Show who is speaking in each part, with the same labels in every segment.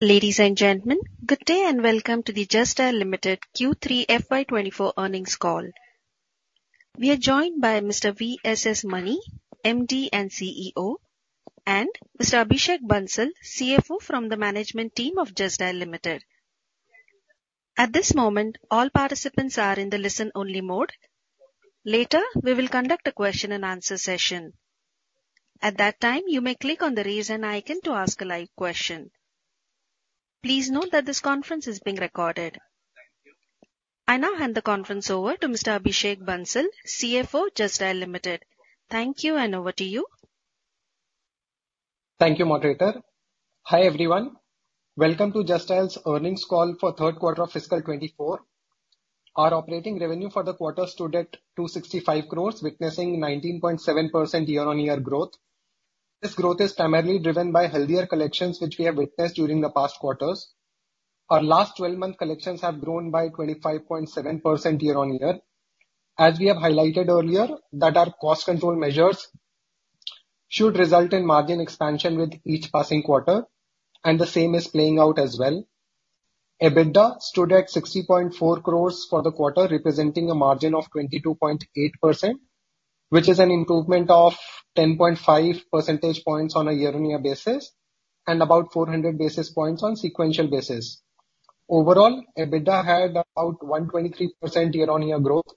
Speaker 1: Ladies and gentlemen, good day, and welcome to the Just Dial Limited Q3 FY 2024 Earnings Call. We are joined by Mr. VSS Mani, MD and CEO, and Mr. Abhishek Bansal, CFO from the management team of Just Dial Limited. At this moment, all participants are in the listen-only mode. Later, we will conduct a question-and-answer session. At that time, you may click on the Raise Hand icon to ask a live question. Please note that this conference is being recorded.
Speaker 2: Thank you.
Speaker 1: I now hand the conference over to Mr. Abhishek Bansal, CFO, Just Dial Limited. Thank you, and over to you.
Speaker 2: Thank you, moderator. Hi, everyone. Welcome to Justdial's earnings call for Q3 of fiscal 2024. Our operating revenue for the quarter stood at 265 crores, witnessing 19.7% year-over-year growth. This growth is primarily driven by healthier collections, which we have witnessed during the past quarters. Our last twelve-month collections have grown by 25.7% year-over-year. As we have highlighted earlier, that our cost control measures should result in margin expansion with each passing quarter, and the same is playing out as well. EBITDA stood at 60.4 crores for the quarter, representing a margin of 22.8%, which is an improvement of 10.5 percentage points on a year-over-year basis and about 400 basis points on sequential basis. Overall, EBITDA had about 123% year-over-year growth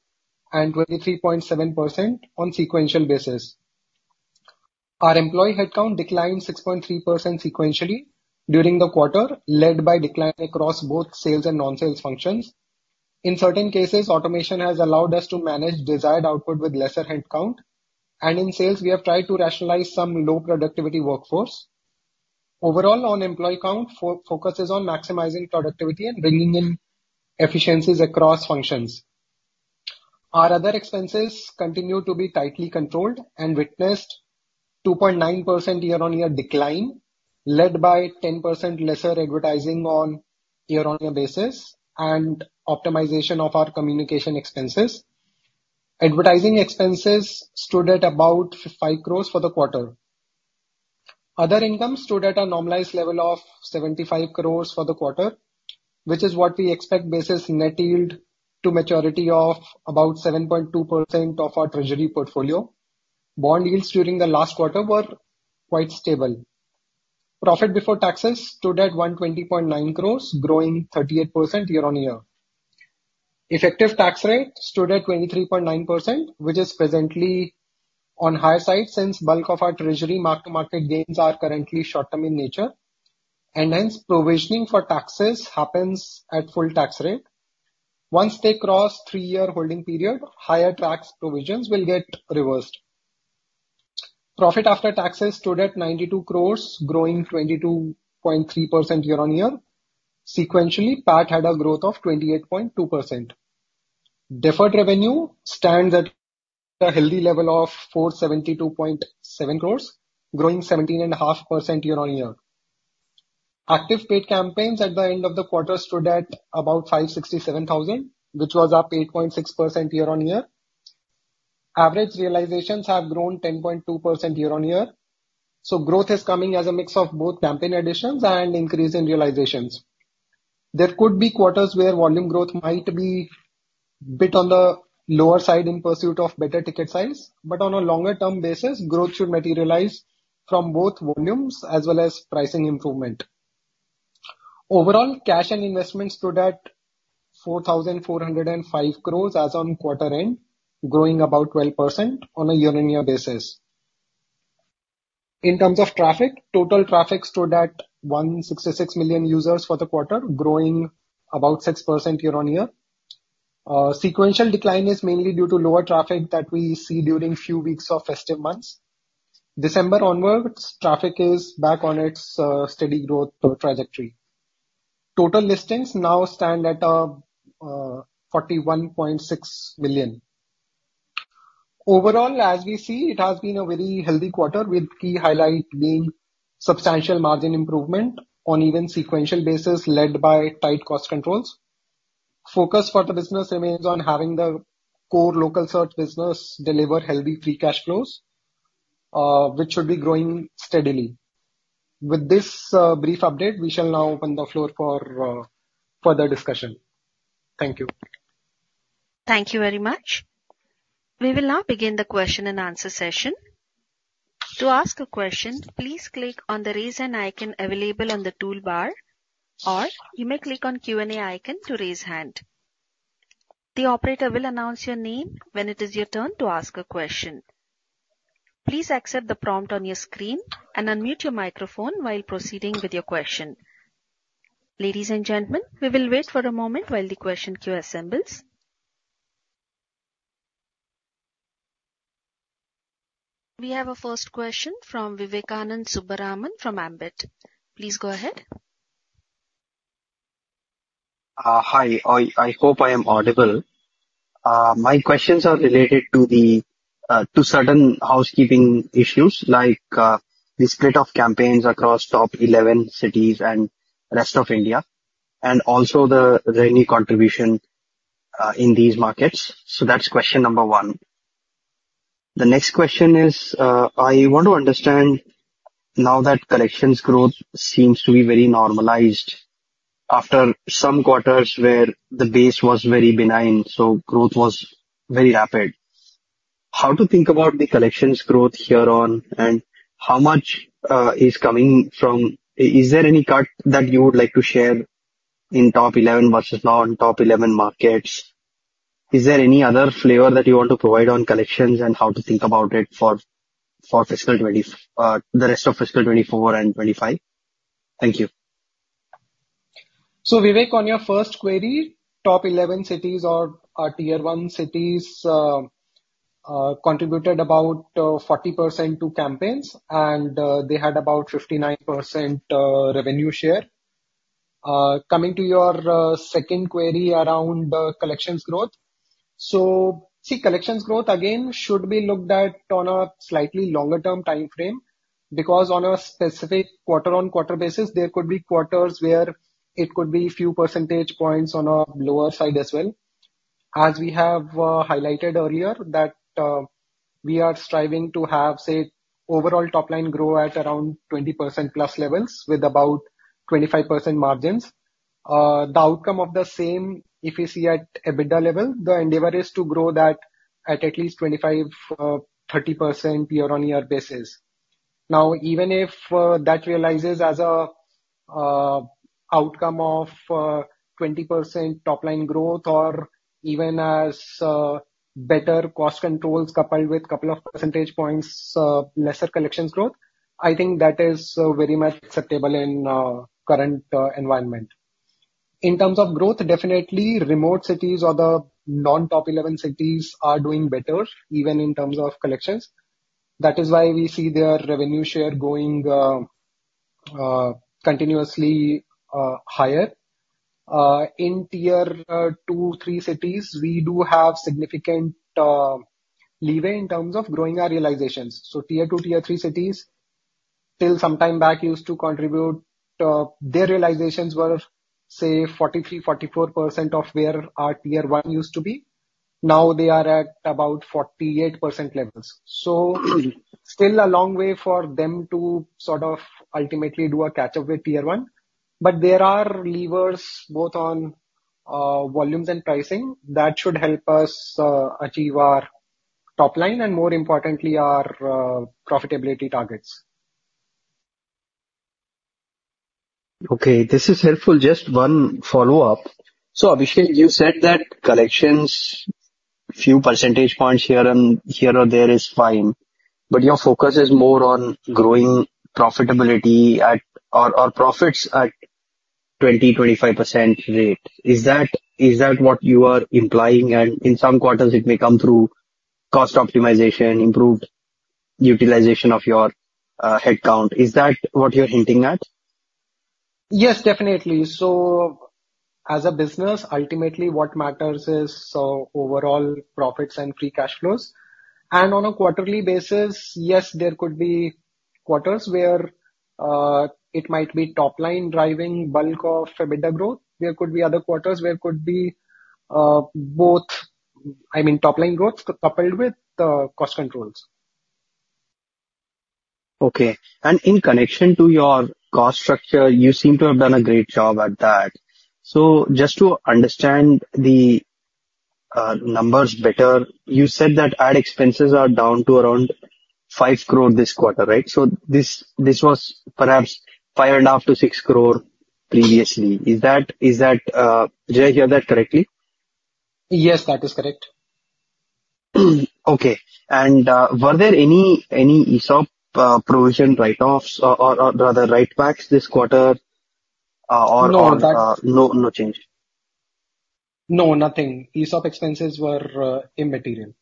Speaker 2: and 23.7% on sequential basis. Our employee headcount declined 6.3% sequentially during the quarter, led by decline across both sales and non-sales functions. In certain cases, automation has allowed us to manage desired output with lesser headcount, and in sales, we have tried to rationalize some low-productivity workforce. Overall, on employee count, focus is on maximizing productivity and bringing in efficiencies across functions. Our other expenses continue to be tightly controlled and witnessed 2.9% year-on-year decline, led by 10% lesser advertising on year-on-year basis and optimization of our communication expenses. Advertising expenses stood at about 5 crores for the quarter. Other income stood at a normalized level of 75 crores for the quarter, which is what we expect versus net yield to maturity of about 7.2% of our treasury portfolio. Bond yields during the last quarter were quite stable. Profit before taxes stood at 120.9 crores, growing 38% year-on-year. Effective tax rate stood at 23.9%, which is presently on higher side, since bulk of our treasury mark-to-market gains are currently short-term in nature, and hence provisioning for taxes happens at full tax rate. Once they cross three year holding period, higher tax provisions will get reversed. Profit after taxes stood at 92 crores, growing 22.3% year-on-year. Sequentially, PAT had a growth of 28.2%. Deferred revenue stands at a healthy level of 472.7 crores, growing 17.5% year-on-year. Active paid campaigns at the end of the quarter stood at about 567,000, which was up 8.6% year-on-year. Average realizations have grown 10.2% year-on-year, so growth is coming as a mix of both campaign additions and increase in realizations. There could be quarters where volume growth might be bit on the lower side in pursuit of better ticket size, but on a longer term basis, growth should materialize from both volumes as well as pricing improvement. Overall, cash and investments stood at 4,405 crores as on quarter end, growing about 12% on a year-on-year basis. In terms of traffic, total traffic stood at 166 million users for the quarter, growing about 6% year-on-year. Sequential decline is mainly due to lower traffic that we see during few weeks of festive months. December onwards, traffic is back on its steady growth trajectory. Total listings now stand at 41.6 million. Overall, as we see, it has been a very healthy quarter, with key highlight being substantial margin improvement on even sequential basis, led by tight cost controls. Focus for the business remains on having the core local search business deliver healthy free cash flows, which should be growing steadily. With this, brief update, we shall now open the floor for further discussion. Thank you.
Speaker 1: Thank you very much. We will now begin the question-and-answer session. To ask a question, please click on the Raise Hand icon available on the toolbar or you may click on Q&A icon to raise hand. The operator will announce your name when it is your turn to ask a question. Please accept the prompt on your screen and unmute your microphone while proceeding with your question. Ladies and gentlemen, we will wait for a moment while the question queue assembles. We have a first question from Vivekananda Subbaraman from Ambit. Please go ahead.
Speaker 3: Hi. I hope I am audible. My questions are related to certain housekeeping issues, like, the split of campaigns across top 11 cities and rest of India, and also the revenue contribution in these markets. So that's question number one. The next question is, I want to understand now that collections growth seems to be very normalized after some quarters where the base was very benign, so growth was very rapid. How to think about the collections growth here on, and how much is coming from is there any cut that you would like to share in top 11 versus non-top 11 markets? Is there any other flavor that you want to provide on collections and how to think about it for, for fiscal 2024, the rest of fiscal 2024 and 2025? Thank you.
Speaker 2: So, Vivek, on your first query, top eleven cities or our Tier One cities contributed about 40% to campaigns, and they had about 59% revenue share. Coming to your second query around collections growth. So see, collections growth, again, should be looked at on a slightly longer term timeframe, because on a specific quarter-on-quarter basis, there could be quarters where it could be few percentage points on a lower side as well. As we have highlighted earlier, that we are striving to have, say, overall top line grow at around 20%+ levels with about 25% margins. The outcome of the same, if you see at EBITDA level, the endeavor is to grow that at least 25-30% year-on-year basis. Now, even if that realizes as an outcome of 20% top line growth or even as better cost controls, coupled with a couple of percentage points lesser collections growth, I think that is very much acceptable in current environment. In terms of growth, definitely remote cities or the non-top eleven cities are doing better, even in terms of collections. That is why we see their revenue share going continuously higher. In Tier Two, Tier Three cities, we do have significant leeway in terms of growing our realizations. So Tier Two, Tier Three cities, till some time back, used to contribute... their realizations were, say, 43%-44% of where our Tier One used to be. Now they are at about 48% levels. So still a long way for them to sort of ultimately do a catch-up with Tier One. But there are levers, both on volumes and pricing, that should help us achieve our top line and more importantly, our profitability targets.
Speaker 3: Okay, this is helpful. Just one follow-up. So, Abhishek, you said that collections, few percentage points here and there is fine, but your focus is more on growing profitability or profits at 20-25% rate. Is that what you are implying? And in some quarters, it may come through cost optimization, improved utilization of your headcount. Is that what you're hinting at?
Speaker 2: Yes, definitely. So as a business, ultimately what matters is overall profits and free cash flows. And on a quarterly basis, yes, there could be quarters where it might be top line driving bulk of EBITDA growth. There could be other quarters where it could be both, I mean, top line growth coupled with cost controls.
Speaker 3: Okay. And in connection to your cost structure, you seem to have done a great job at that. So just to understand the, numbers better, you said that ad expenses are down to around 5 crore this quarter, right? So this, this was perhaps 5.5 crore-6 crore previously. Is that, is that. Did I hear that correctly?
Speaker 2: Yes, that is correct.
Speaker 3: Okay. And, were there any ESOP provision write-offs or rather write-backs this quarter, or-
Speaker 2: No, that
Speaker 3: No, no change?
Speaker 2: No, nothing. ESOP expenses were immaterial.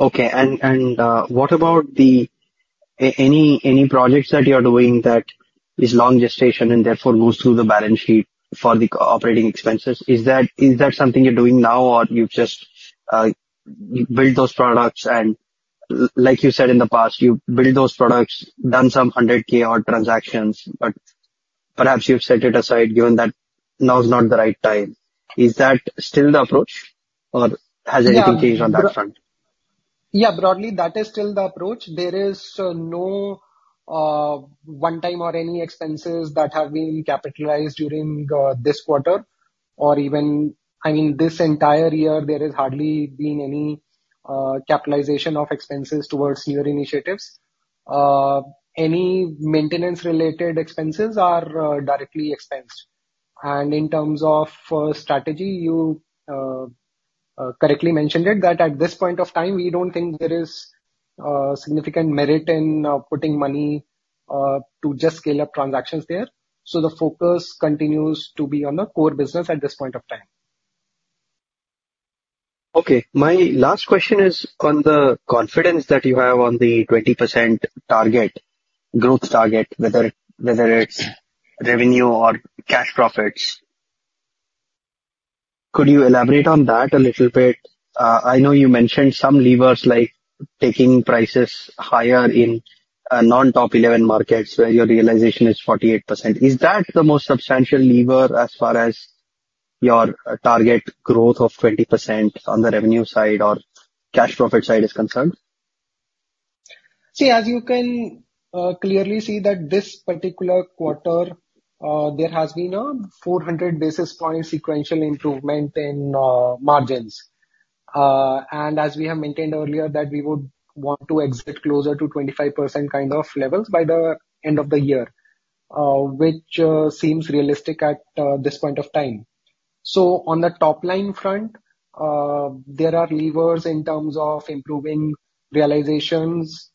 Speaker 3: Okay. What about any projects that you're doing that is long gestation and therefore goes through the balance sheet for the operating expenses? Is that something you're doing now, or you've just built those products and like you said in the past, you've built those products, done some 100,000 odd transactions, but perhaps you've set it aside, given that now is not the right time. Is that still the approach, or has anything-
Speaker 2: Yeah.
Speaker 3: Changed on that front?
Speaker 2: Yeah. Broadly, that is still the approach. There is no one time or any expenses that have been capitalized during this quarter or even I mean this entire year, there has hardly been any capitalization of expenses towards new initiatives. Any maintenance-related expenses are directly expensed. And in terms of strategy, you correctly mentioned it, that at this point of time, we don't think there is significant merit in putting money to just scale up transactions there. So the focus continues to be on the core business at this point of time.
Speaker 3: Okay. My last question is on the confidence that you have on the 20% target, growth target, whether it's revenue or cash profits. Could you elaborate on that a little bit? I know you mentioned some levers, like taking prices higher in non-top eleven markets, where your realization is 48%. Is that the most substantial lever as far as your target growth of 20% on the revenue side or cash profit side is concerned?
Speaker 2: See, as you can clearly see that this particular quarter, there has been a 400 basis point sequential improvement in margins. And as we have maintained earlier, that we would want to exit closer to 25% kind of levels by the end of the year, which seems realistic at this point of time. So on the top-line front, there are levers in terms of improving realizations,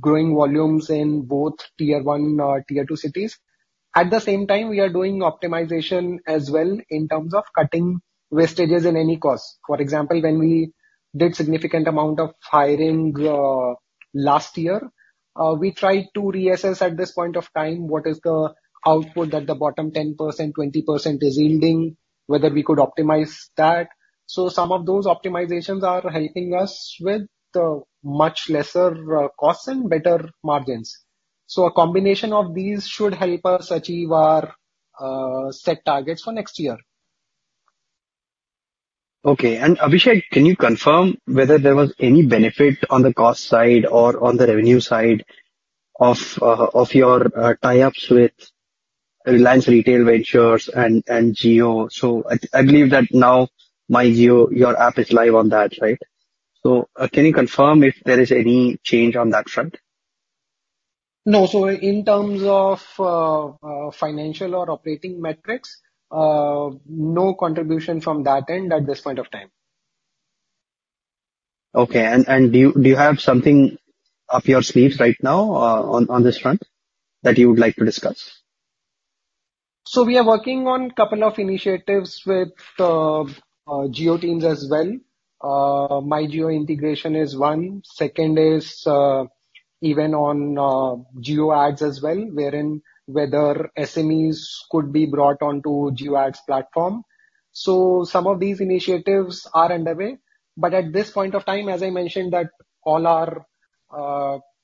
Speaker 2: growing volumes in both Tier One, Tier Two cities. At the same time, we are doing optimization as well in terms of cutting wastages in any cost. For example, when we did significant amount of hiring last year, we tried to reassess at this point of time, what is the output that the bottom 10%, 20% is yielding, whether we could optimize that. Some of those optimizations are helping us with much lesser costs and better margins. A combination of these should help us achieve our set targets for next year.
Speaker 3: Okay. And Abhishek, can you confirm whether there was any benefit on the cost side or on the revenue side of your tie-ups with Reliance Retail Ventures and Jio? So I believe that now MyJio, your app is live on that, right? So, can you confirm if there is any change on that front?
Speaker 2: No. So in terms of financial or operating metrics, no contribution from that end at this point of time.
Speaker 3: Okay. And do you have something up your sleeves right now, on this front that you would like to discuss?
Speaker 2: So we are working on a couple of initiatives with Jio teams as well. MyJio integration is one. Second is even on JioAds as well, wherein whether SMEs could be brought onto JioAds platform. So some of these initiatives are underway, but at this point of time, as I mentioned, that all our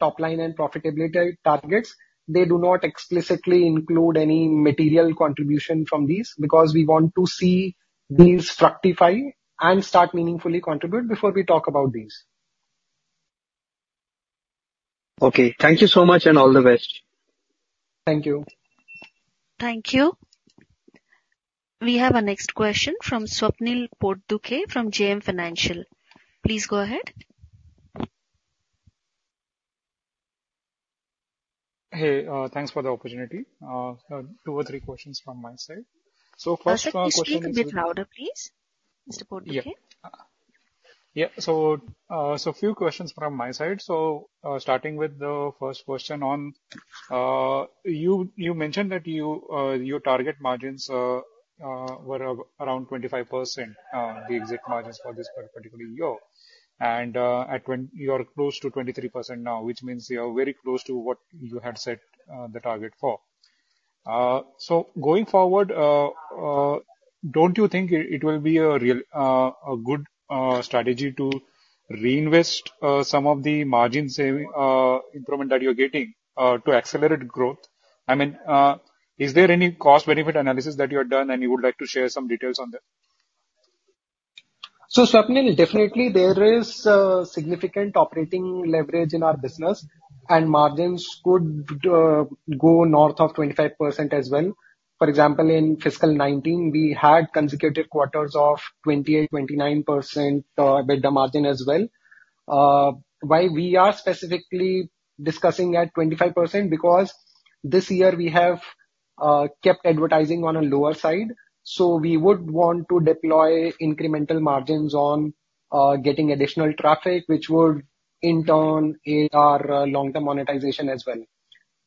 Speaker 2: top line and profitability targets, they do not explicitly include any material contribution from these, because we want to see these fructify and start meaningfully contribute before we talk about these.
Speaker 3: Okay. Thank you so much, and all the best.
Speaker 2: Thank you.
Speaker 1: Thank you. We have our next question from Swapnil Potdukhe, from JM Financial. Please go ahead.
Speaker 4: Hey, thanks for the opportunity. I have two or three questions from my side. So first one question-
Speaker 1: Can you speak a bit louder, please, Mr. Potdukhe?
Speaker 4: Yeah. Yeah. So, a few questions from my side. So, starting with the first question on, you mentioned that your target margins were around 25%, the exit margins for this particular year. And, when you are close to 23% now, which means you are very close to what you had set, the target for. So going forward, don't you think it will be a good strategy to reinvest some of the margin saving improvement that you're getting to accelerate growth? I mean, is there any cost-benefit analysis that you have done and you would like to share some details on that?
Speaker 2: So, Swapnil, definitely there is significant operating leverage in our business, and margins could go north of 25% as well. For example, in fiscal 2019, we had consecutive quarters of 28%, 29% EBITDA margin as well. Why we are specifically discussing at 25%, because this year we have kept advertising on a lower side. So we would want to deploy incremental margins on getting additional traffic, which would in turn aid our long-term monetization as well.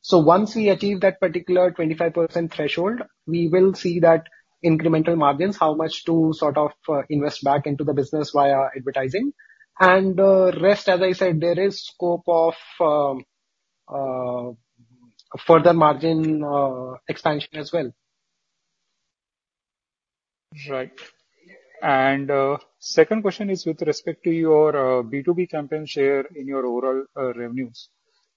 Speaker 2: So once we achieve that particular 25% threshold, we will see that incremental margins, how much to sort of invest back into the business via advertising. And rest, as I said, there is scope of further margin expansion as well.
Speaker 4: Right. Second question is with respect to your B2B campaign share in your overall revenues.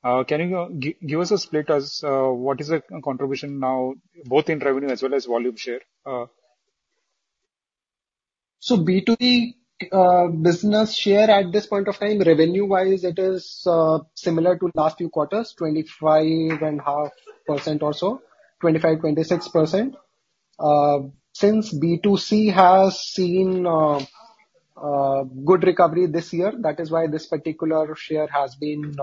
Speaker 4: Can you give us a split as what is the contribution now, both in revenue as well as volume share?
Speaker 2: B2B business share at this point of time, revenue-wise, it is similar to last few quarters, 25.5% or so, 25%-26%. Since B2C has seen good recovery this year, that is why this particular share has been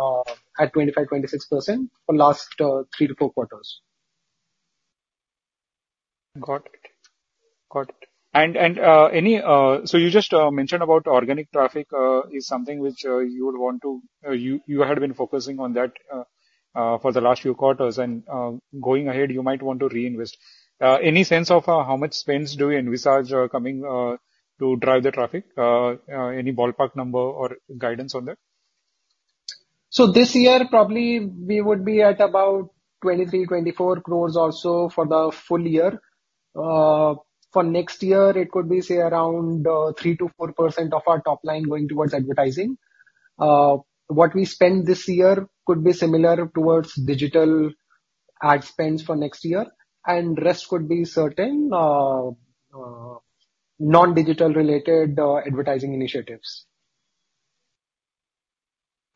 Speaker 2: at 25%-26% for last three to four quarters.
Speaker 4: Got it. Got it. And any so you just mentioned about organic traffic, is something which you would want to, you had been focusing on that for the last few quarters, and going ahead, you might want to reinvest. Any sense of how much spends do you envisage coming to drive the traffic? Any ballpark number or guidance on that?
Speaker 2: This year, probably we would be at about 23-24 crores or so for the full year. For next year, it could be, say, around 3%-4% of our top line going towards advertising. What we spend this year could be similar towards digital ad spends for next year, and rest could be certain non-digital related advertising initiatives.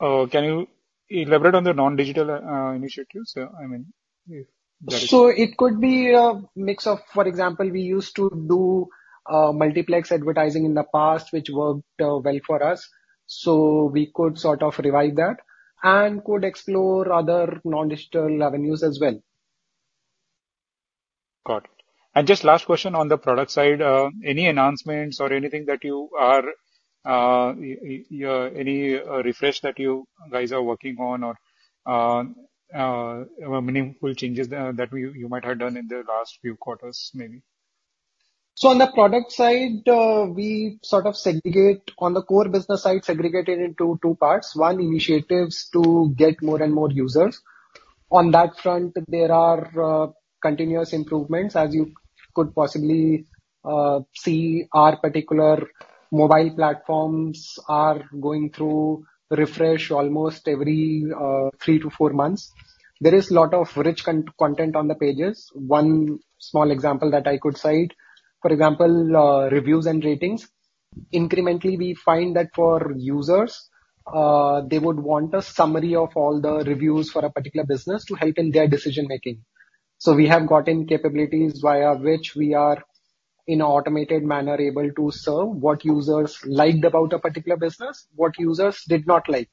Speaker 4: Can you elaborate on the non-digital initiatives? I mean, if there is
Speaker 2: So it could be a mix of, for example, we used to do multiplex advertising in the past, which worked well for us. So we could sort of revive that and could explore other non-digital avenues as well.
Speaker 4: Got it. Just last question on the product side. Any announcements or anything, any refresh that you guys are working on, or meaningful changes that you might have done in the last few quarters, maybe?
Speaker 2: So on the product side, we sort of segregate. On the core business side, segregated into two parts. One, initiatives to get more and more users. On that front, there are continuous improvements. As you could possibly see, our particular mobile platforms are going through refresh almost every three to four months. There is lot of rich content on the pages. One small example that I could cite, for example, reviews and ratings. Incrementally, we find that for users, they would want a summary of all the reviews for a particular business to help in their decision making. So we have gotten capabilities via which we are, in an automated manner, able to serve what users liked about a particular business, what users did not like.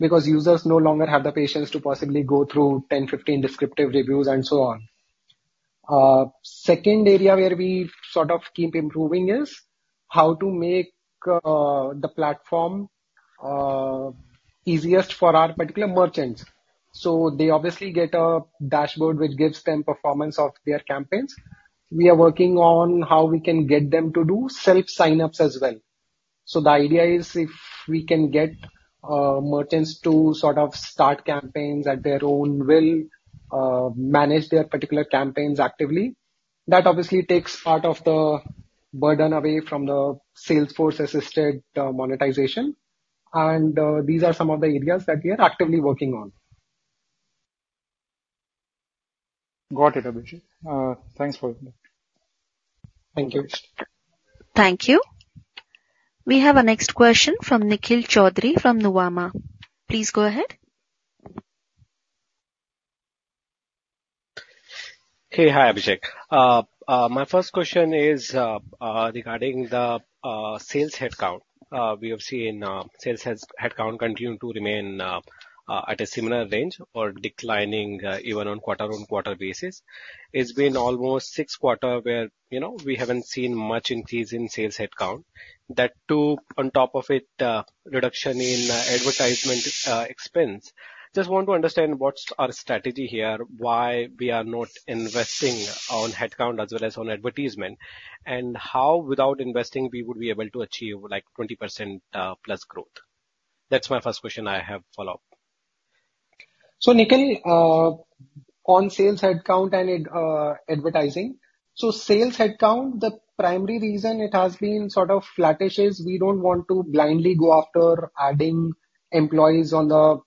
Speaker 2: Because users no longer have the patience to possibly go through 10, 15 descriptive reviews, and so on. Second area where we sort of keep improving is how to make the platform easiest for our particular merchants. So they obviously get a dashboard which gives them performance of their campaigns. We are working on how we can get them to do self sign-ups as well. So the idea is if we can get merchants to sort of start campaigns at their own will, manage their particular campaigns actively, that obviously takes part of the burden away from the salesforce-assisted monetization. And these are some of the areas that we are actively working on.
Speaker 4: Got it, Abhishek. Thanks for that.
Speaker 2: Thank you.
Speaker 1: Thank you. We have our next question from Nikhil Choudhary from Nuvama. Please go ahead.
Speaker 5: Hey. Hi, Abhishek. My first question is regarding the sales headcount. We have seen sales headcount continue to remain at a similar range or declining, even on quarter-on-quarter basis. It's been almost six quarters where, you know, we haven't seen much increase in sales headcount. That, too, on top of it, reduction in advertisement expense. Just want to understand, what's our strategy here? Why we are not investing on headcount as well as on advertisement? And how, without investing, we would be able to achieve, like, 20% plus growth? That's my first question. I have follow-up.
Speaker 2: So, Nikhil, on sales headcount and advertising. So sales headcount, the primary reason it has been sort of flattish is we don't want to blindly go after adding employees on the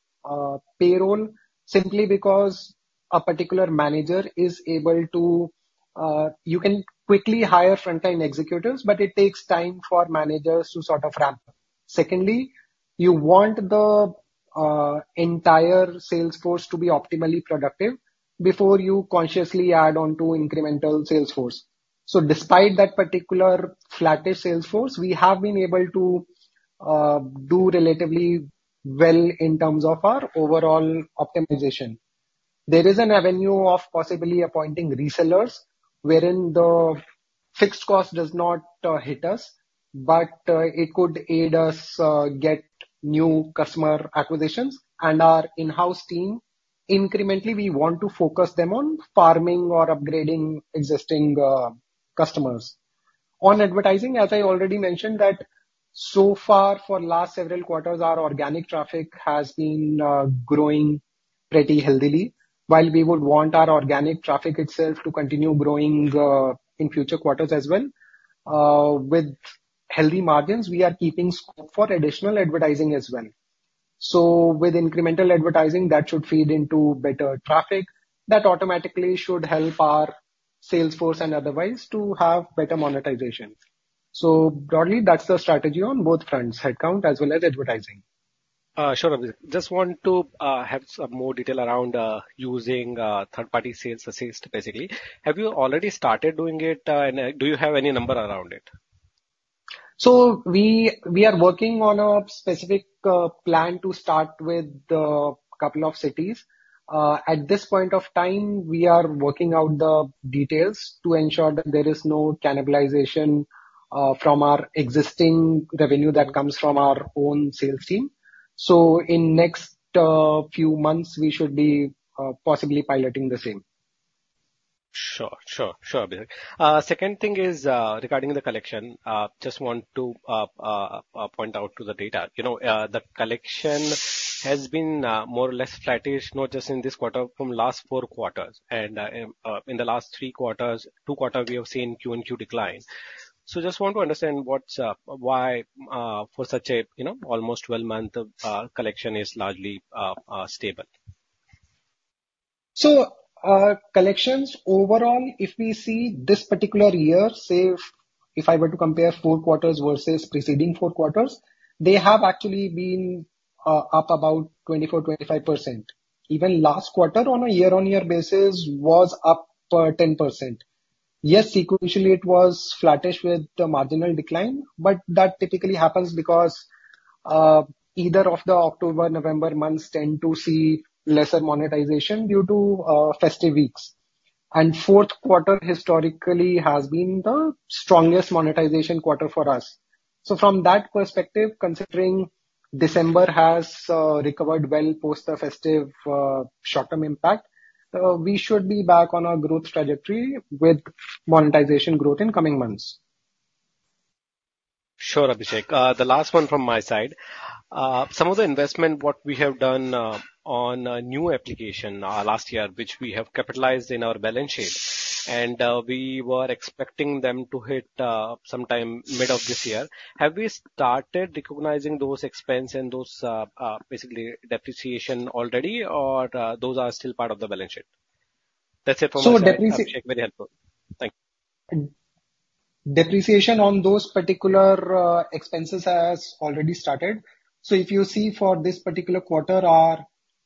Speaker 2: payroll. Simply because a particular manager is able to. You can quickly hire frontline executors, but it takes time for managers to sort of ramp up. Secondly, you want the entire sales force to be optimally productive before you consciously add on to incremental sales force. So despite that particular flattish sales force, we have been able to do relatively well in terms of our overall optimization. There is an avenue of possibly appointing resellers, wherein the fixed cost does not hit us, but it could aid us get new customer acquisitions. And our in-house team, incrementally, we want to focus them on farming or upgrading existing customers. On advertising, as I already mentioned, that so far, for last several quarters, our organic traffic has been, growing pretty healthily. While we would want our organic traffic itself to continue growing, in future quarters as well, with healthy margins, we are keeping scope for additional advertising as well. So with incremental advertising, that should feed into better traffic. That automatically should help our sales force and otherwise to have better monetization. So broadly, that's the strategy on both fronts, headcount as well as advertising.
Speaker 5: Sure, Abhishek. Just want to have some more detail around using third-party sales assist, basically. Have you already started doing it, and do you have any number around it?
Speaker 2: So we are working on a specific plan to start with a couple of cities. At this point of time, we are working out the details to ensure that there is no cannibalization from our existing revenue that comes from our own sales team. So in next few months, we should be possibly piloting the same.
Speaker 5: Sure, sure, sure, Abhishek. Second thing is, regarding the collection. Just want to point out to the data. You know, the collection has been more or less flattish, not just in this quarter, from last four quarters. And, in the last three quarters, two quarter, we have seen Q&Q decline. So just want to understand what's why, for such a, you know, almost 12-month, collection is largely stable?
Speaker 2: So, collections overall, if we see this particular year, say, if, if I were to compare four quarters versus preceding four quarters, they have actually been up about 24-25%. Even last quarter on a year-on-year basis was up ten percent. Yes, sequentially it was flattish with a marginal decline, but that typically happens because either of the October, November months tend to see lesser monetization due to festive weeks. And Q4, historically, has been the strongest monetization quarter for us. So from that perspective, considering December has recovered well post the festive short-term impact, we should be back on our growth trajectory with monetization growth in coming months.
Speaker 5: Sure, Abhishek. The last one from my side. Some of the investment what we have done on a new application last year, which we have capitalized in our balance sheet, and we were expecting them to hit sometime mid of this year. Have we started recognizing those expense and those basically depreciation already, or those are still part of the balance sheet? That's it from my side, Abhishek. Very helpful. Thank you.
Speaker 2: Depreciation on those particular expenses has already started. So if you see for this particular quarter,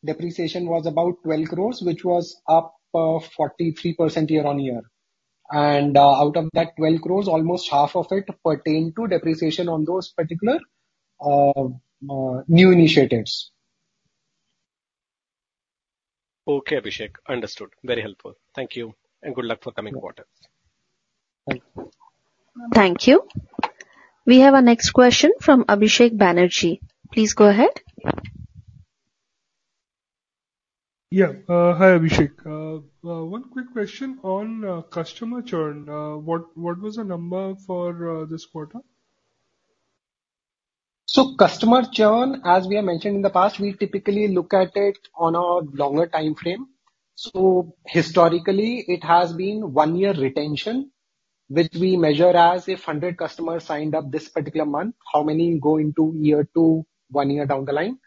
Speaker 2: our depreciation was about 12 crores, which was up 43% year-on-year. And out of that 12 crores, almost half of it pertained to depreciation on those particular new initiatives.
Speaker 5: Okay, Abhishek. Understood. Very helpful. Thank you, and good luck for coming quarters.
Speaker 2: Thank you.
Speaker 1: Thank you. We have our next question from Abhishek Banerjee. Please go ahead.
Speaker 6: Yeah. Hi, Abhishek. One quick question on customer churn. What was the number for this quarter?
Speaker 2: So customer churn, as we have mentioned in the past, we typically look at it on a longer time frame. So historically, it has been one-year retention, which we measure as if 100 customers signed up this particular month, how many go into year two, one year down the line?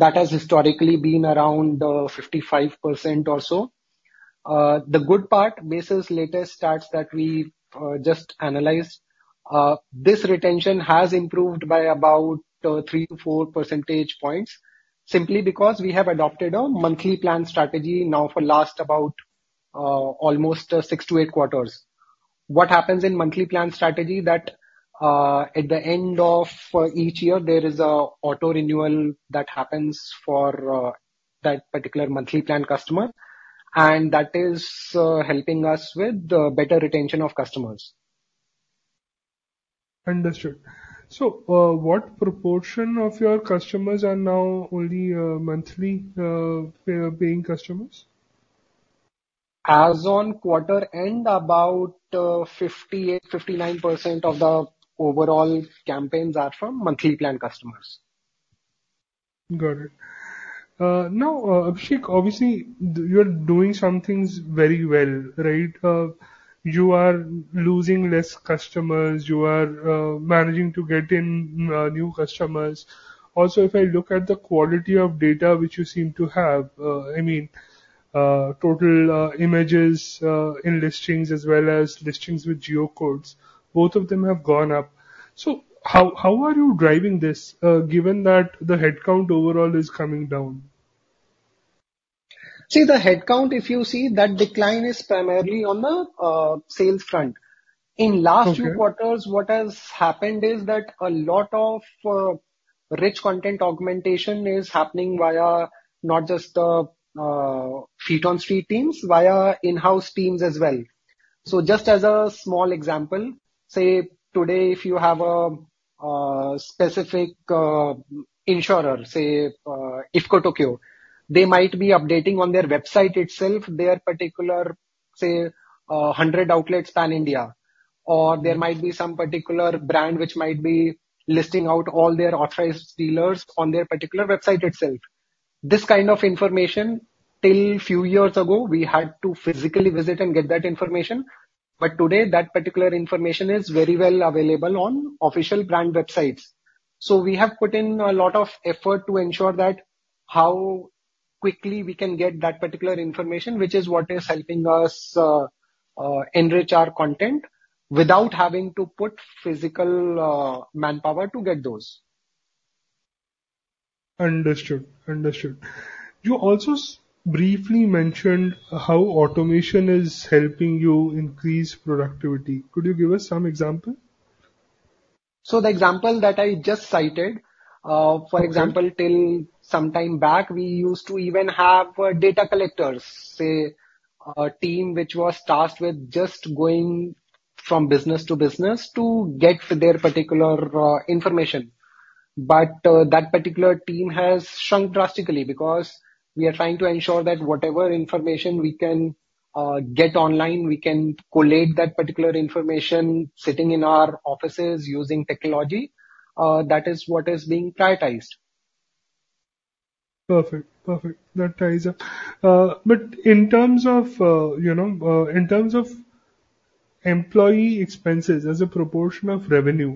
Speaker 2: That has historically been around 55% or so. The good part, based on latest stats that we've just analyzed, this retention has improved by about 3-4 percentage points, simply because we have adopted a monthly plan strategy now for last about almost 6-8 quarters. What happens in monthly plan strategy, that at the end of each year, there is a auto renewal that happens for that particular monthly plan customer, and that is helping us with better retention of customers.
Speaker 6: Understood. So, what proportion of your customers are now only monthly paying customers?
Speaker 2: As on quarter end, about 58-59% of the overall campaigns are from monthly plan customers.
Speaker 6: Got it. Now, Abhishek, obviously, you're doing some things very well, right? You are losing less customers, you are managing to get in new customers. Also, if I look at the quality of data which you seem to have, I mean, total images in listings as well as listings with geocodes, both of them have gone up. So how are you driving this, given that the headcount overall is coming down?
Speaker 2: See, the headcount, if you see, that decline is primarily on the, sales front.
Speaker 6: Okay.
Speaker 2: In last few quarters, what has happened is that a lot of rich content augmentation is happening via not just feet-on-street teams, via in-house teams as well. So just as a small example, say, today, if you have a specific insurer, say IFFCO-Tokio, they might be updating on their website itself their particular, say 100 outlets pan-India, or there might be some particular brand which might be listing out all their authorized dealers on their particular website itself. This kind of information, till few years ago, we had to physically visit and get that information, but today that particular information is very well available on official brand websites. We have put in a lot of effort to ensure that how quickly we can get that particular information, which is what is helping us enrich our content without having to put physical manpower to get those.
Speaker 6: Understood. Understood. You also briefly mentioned how automation is helping you increase productivity. Could you give us some example?
Speaker 2: So the example that I just cited, for example.
Speaker 6: Okay.
Speaker 2: Till some time back, we used to even have data collectors, say, a team which was tasked with just going from business to business to get their particular information. But that particular team has shrunk drastically because we are trying to ensure that whatever information we can get online, we can collate that particular information sitting in our offices using technology. That is what is being prioritized.
Speaker 6: Perfect. Perfect. That ties up. But in terms of, you know, in terms of-... employee expenses as a proportion of revenue,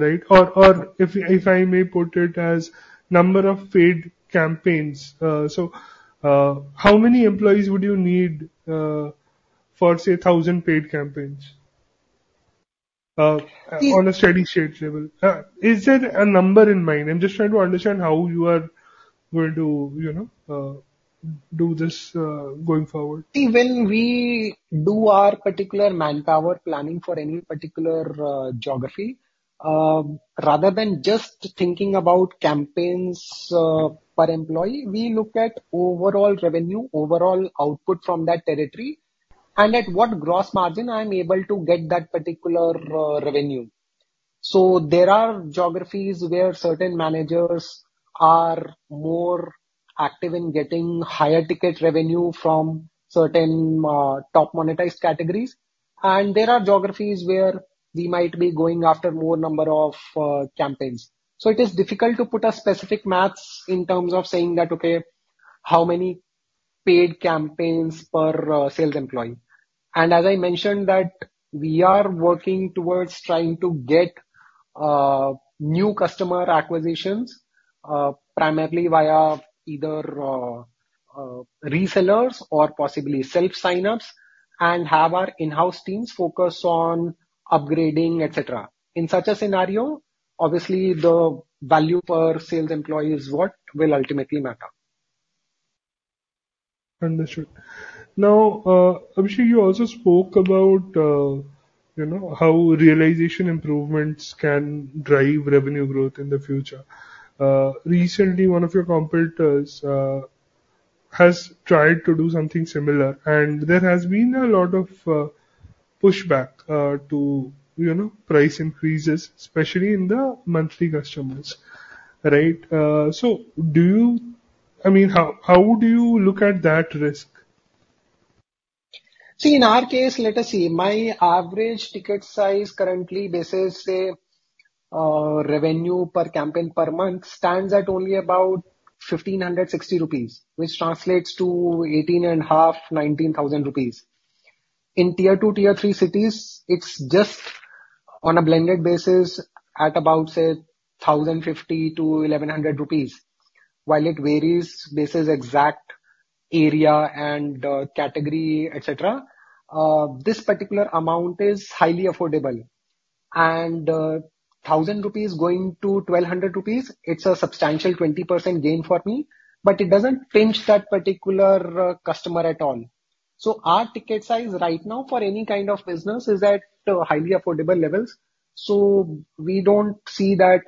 Speaker 6: right? Or, if I may put it as number of paid campaigns. So, how many employees would you need, for, say, 1,000 paid campaigns, on a steady-state level? Is there a number in mind? I'm just trying to understand how you are going to, you know, do this, going forward.
Speaker 2: See, when we do our particular manpower planning for any particular geography, rather than just thinking about campaigns per employee, we look at overall revenue, overall output from that territory, and at what gross margin I'm able to get that particular revenue. So there are geographies where certain managers are more active in getting higher ticket revenue from certain top monetized categories, and there are geographies where we might be going after more number of campaigns. So it is difficult to put a specific math in terms of saying that, okay, how many paid campaigns per sales employee. And as I mentioned, that we are working towards trying to get new customer acquisitions primarily via either resellers or possibly self-signups, and have our in-house teams focus on upgrading, et cetera. In such a scenario, obviously, the value per sales employee is what will ultimately matter.
Speaker 6: Understood. Now, Abhishek, you also spoke about, you know, how realization improvements can drive revenue growth in the future. Recently, one of your competitors has tried to do something similar, and there has been a lot of pushback to, you know, price increases, especially in the monthly customers, right? So do you I mean, how do you look at that risk?
Speaker 2: See, in our case, let us see. My average ticket size currently, basis, say, revenue per campaign per month, stands at only about 1,560 rupees, which translates to 18,500-19,000 rupees. In Tier Two/Tier Three cities, it's just on a blended basis at about, say, 1,050-1,100 rupees. While it varies basis exact area and, category, et cetera, this particular amount is highly affordable. And, thousand rupees going to twelve hundred rupees, it's a substantial 20% gain for me, but it doesn't pinch that particular customer at all. So our ticket size right now, for any kind of business, is at highly affordable levels, so we don't see that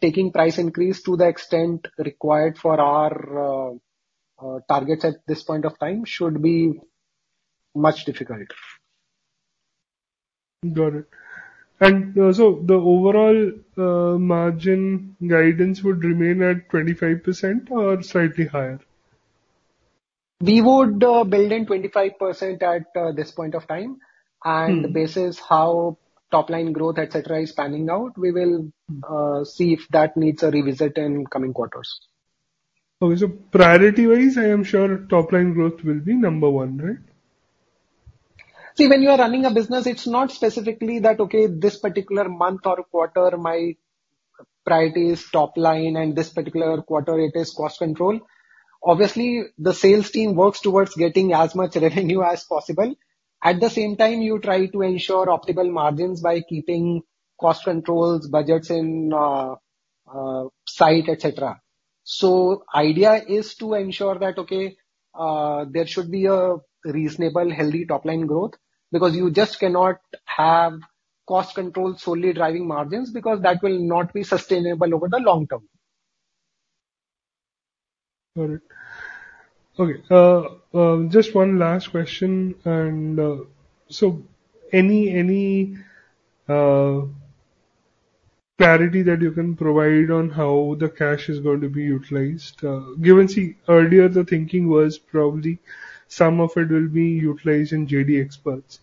Speaker 2: taking price increase to the extent required for our targets at this point of time should be much difficult.
Speaker 6: Got it. And, so the overall, margin guidance would remain at 25% or slightly higher?
Speaker 2: We would build in 25% at this point of time, and basis how top line growth, et cetera, is panning out, we will see if that needs a revisit in coming quarters.
Speaker 6: Okay. So priority-wise, I am sure top line growth will be number one, right?
Speaker 2: See, when you are running a business, it's not specifically that, okay, this particular month or quarter, my priority is top line, and this particular quarter it is cost control. Obviously, the sales team works towards getting as much revenue as possible. At the same time, you try to ensure optimal margins by keeping cost controls, budgets in sight, et cetera. So idea is to ensure that, okay, there should be a reasonable, healthy top-line growth, because you just cannot have cost control solely driving margins, because that will not be sustainable over the long term.
Speaker 6: Got it. Okay, just one last question. And, so any, any, clarity that you can provide on how the cash is going to be utilized? Given, see, earlier the thinking was probably some of it will be utilized in JD Experts,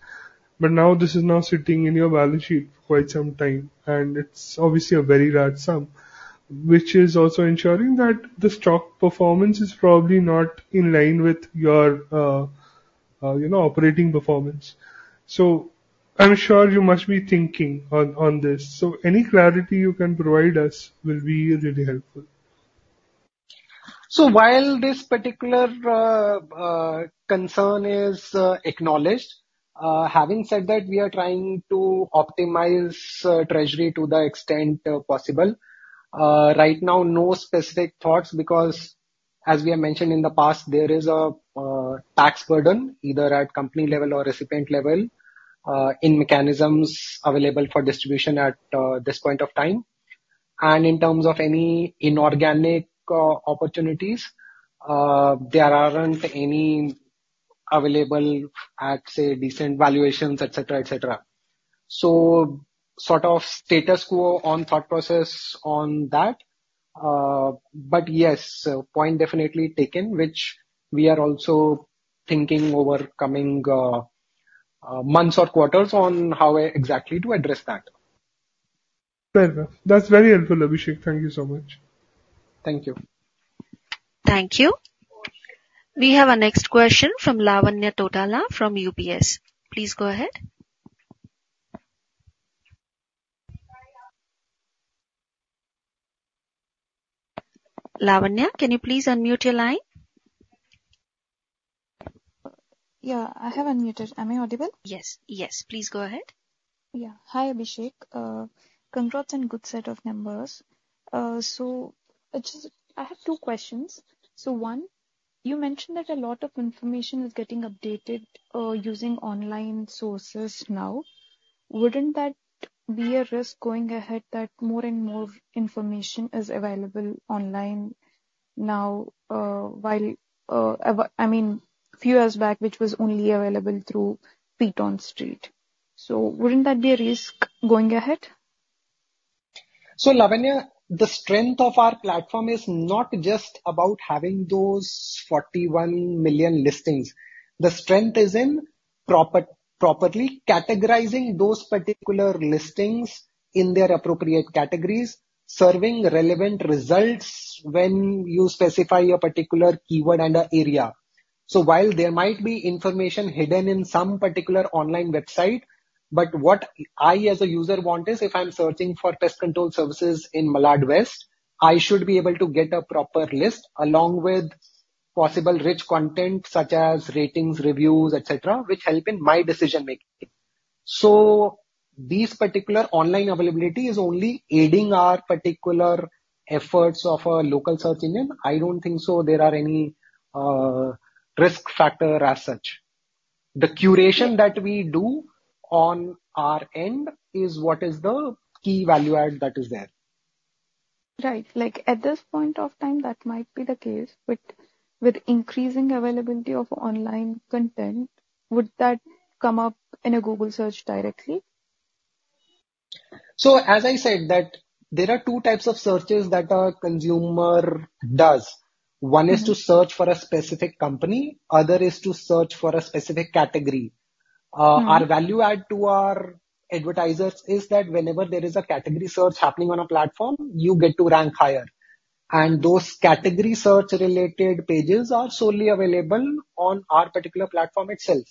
Speaker 6: but now this is now sitting in your balance sheet for quite some time, and it's obviously a very large sum, which is also ensuring that the stock performance is probably not in line with your, you know, operating performance. So I'm sure you must be thinking on, on this. So any clarity you can provide us will be really helpful.
Speaker 2: So while this particular concern is acknowledged, having said that, we are trying to optimize treasury to the extent possible. Right now, no specific thoughts, because as we have mentioned in the past, there is a tax burden, either at company level or recipient level, in mechanisms available for distribution at this point of time. And in terms of any inorganic opportunities, there aren't any available at, say, decent valuations, et cetera, et cetera. So sort of status quo on thought process on that. But yes, point definitely taken, which we are also thinking over coming months or quarters on how exactly to address that.
Speaker 6: Very well. That's very helpful, Abhishek. Thank you so much.
Speaker 2: Thank you.
Speaker 1: Thank you. We have our next question from Lavanya Tottala from UBS. Please go ahead. Lavanya, can you please unmute your line?
Speaker 7: Yeah, I have unmuted. Am I audible?
Speaker 1: Yes. Yes, please go ahead.
Speaker 7: Yeah. Hi, Abhishek. Congrats and good set of numbers. So just I have two questions. So one, you mentioned that a lot of information is getting updated using online sources now. Wouldn't that be a risk going ahead, that more and more information is available online now, while, ava I mean, a few years back, which was only available through feet on street. So wouldn't that be a risk going ahead?
Speaker 2: So Lavanya, the strength of our platform is not just about having those 41 million listings. The strength is in properly categorizing those particular listings in their appropriate categories, serving relevant results when you specify a particular keyword and an area. So while there might be information hidden in some particular online website, but what I, as a user, want is, if I'm searching for pest control services in Malad West, I should be able to get a proper list along with possible rich content such as ratings, reviews, et cetera, which help in my decision making. So these particular online availability is only aiding our particular efforts of our local search engine. I don't think so there are any risk factor as such. The curation that we do on our end is what is the key value add that is there.
Speaker 7: Right. Like, at this point of time, that might be the case, but with increasing availability of online content, would that come up in a Google search directly?
Speaker 2: As I said, that there are two types of searches that a consumer does. One is to search for a specific company, other is to search for a specific category. Our value add to our advertisers is that whenever there is a category search happening on a platform, you get to rank higher, and those category search-related pages are solely available on our particular platform itself.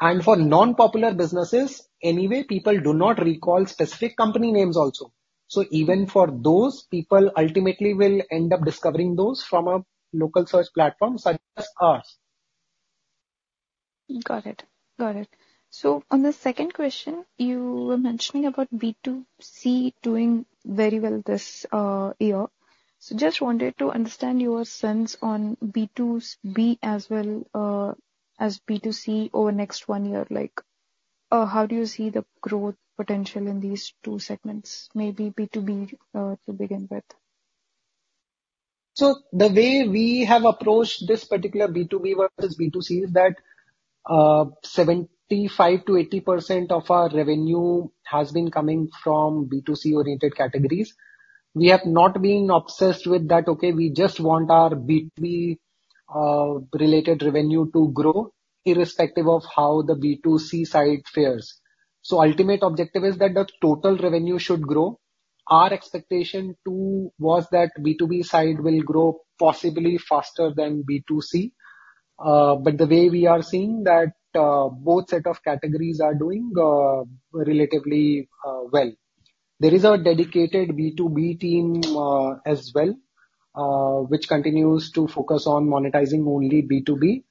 Speaker 2: And for non-popular businesses, anyway, people do not recall specific company names also. So even for those people, ultimately will end up discovering those from a local search platform such as ours.
Speaker 7: Got it. Got it. So on the second question, you were mentioning about B2C doing very well this year. So just wanted to understand your sense on B2B as well, as B2C over the next one year. Like, how do you see the growth potential in these two segments? Maybe B2B, to begin with.
Speaker 2: So the way we have approached this particular B2B versus B2C is that, 75%-80% of our revenue has been coming from B2C-oriented categories. We have not been obsessed with that, okay, we just want our B2B, related revenue to grow irrespective of how the B2C side fares. So ultimate objective is that the total revenue should grow. Our expectation, too, was that B2B side will grow possibly faster than B2C. But the way we are seeing that, both set of categories are doing, relatively, well. There is a dedicated B2B team, as well, which continues to focus on monetizing only B2B.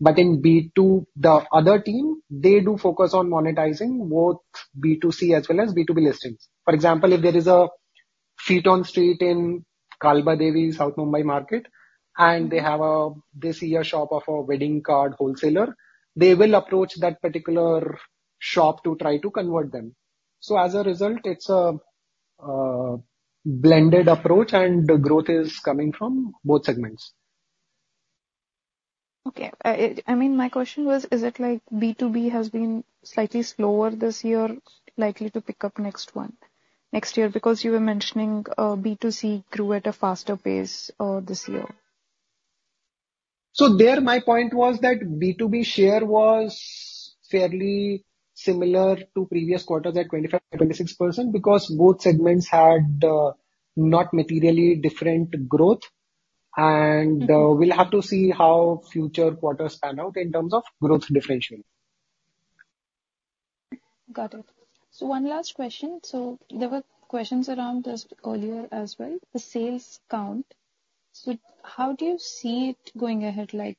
Speaker 2: But in B2, the other team, they do focus on monetizing both B2C as well as B2B listings. For example, if there is a feet on street in Kalbadevi, South Mumbai market, and they have a this year shop of a wedding card wholesaler, they will approach that particular shop to try to convert them. So as a result, it's a blended approach, and the growth is coming from both segments.
Speaker 7: Okay. I mean, my question was, is it like B2B has been slightly slower this year, likely to pick up next year? Because you were mentioning, B2C grew at a faster pace, this year.
Speaker 2: So there, my point was that B2B share was fairly similar to previous quarters at 25-26%, because both segments had not materially different growth. We'll have to see how future quarters pan out in terms of growth differentiation.
Speaker 7: Got it. One last question. There were questions around this earlier as well, the sales count. How do you see it going ahead? Like,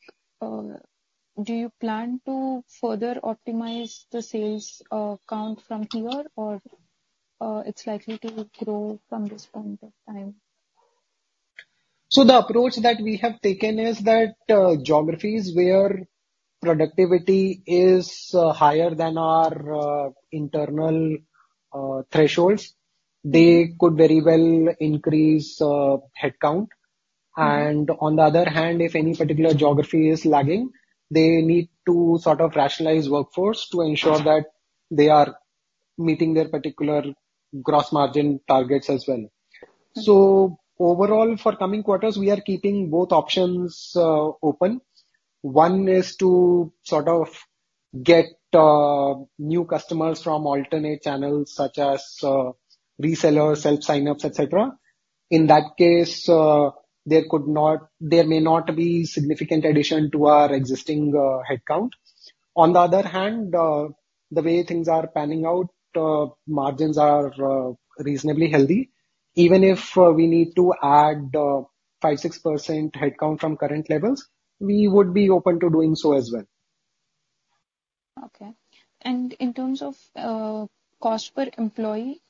Speaker 7: do you plan to further optimize the sales count from here, or it's likely to grow from this point of time?
Speaker 2: So the approach that we have taken is that, geographies where productivity is higher than our, internal, thresholds, they could very well increase, headcount. And on the other hand, if any particular geography is lagging, they need to sort of rationalize workforce to ensure that they are meeting their particular gross margin targets as well.... So overall, for coming quarters, we are keeping both options, open. One is to sort of get, new customers from alternate channels such as, resellers, self-signups, et cetera. In that case, there may not be significant addition to our existing, headcount. On the other hand, the way things are panning out, margins are, reasonably healthy. Even if, we need to add, 5%-6% headcount from current levels, we would be open to doing so as well.
Speaker 7: Okay. In terms of cost per employee,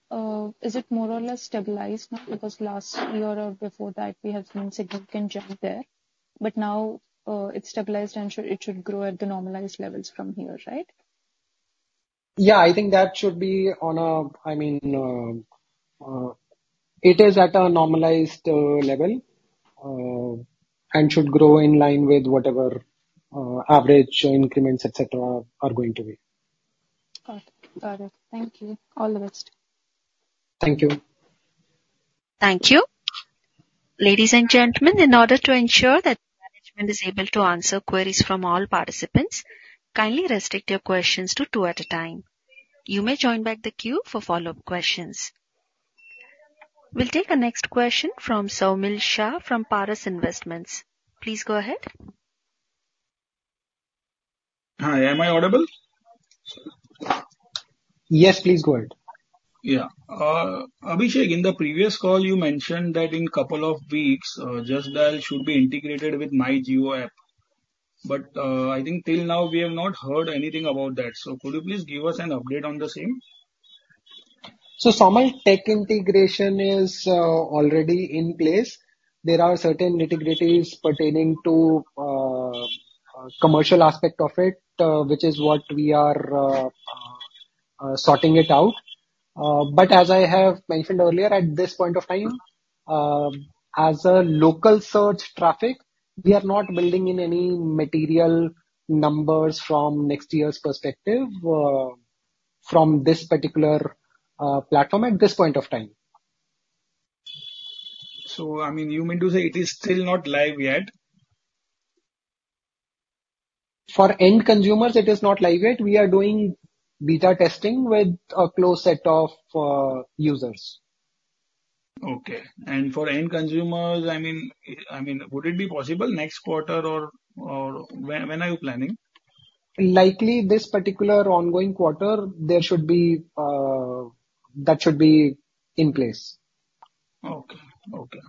Speaker 7: is it more or less stabilized now? Because last year or before that, we have seen significant jump there, but now, it's stabilized, and it should grow at the normalized levels from here, right?
Speaker 2: Yeah, I think that should be on a, I mean, it is at a normalized level, and should grow in line with whatever average increments, et cetera, are going to be.
Speaker 7: Got it. Got it. Thank you. All the best.
Speaker 2: Thank you.
Speaker 1: Thank you. Ladies and gentlemen, in order to ensure that management is able to answer queries from all participants, kindly restrict your questions to two at a time. You may join back the queue for follow-up questions. We'll take the next question from Saumil Shah from Paras Investments. Please go ahead.
Speaker 8: Hi, am I audible?
Speaker 2: Yes, please go ahead.
Speaker 8: Yeah. Abhishek, in the previous call, you mentioned that in couple of weeks, Justdial should be integrated with MyJio app. But, I think till now, we have not heard anything about that. Could you please give us an update on the same?
Speaker 2: So Soumil, tech integration is already in place. There are certain nitty-gritties pertaining to commercial aspect of it, which is what we are sorting it out. But as I have mentioned earlier, at this point of time, as a local search traffic, we are not building in any material numbers from next year's perspective, from this particular platform at this point of time.
Speaker 8: I mean, you mean to say it is still not live yet?
Speaker 2: For end consumers, it is not live yet. We are doing beta testing with a close set of users.
Speaker 8: Okay. And for end consumers, I mean, would it be possible next quarter or when are you planning?
Speaker 2: Likely this particular ongoing quarter, there should be... That should be in place.
Speaker 8: Okay, okay.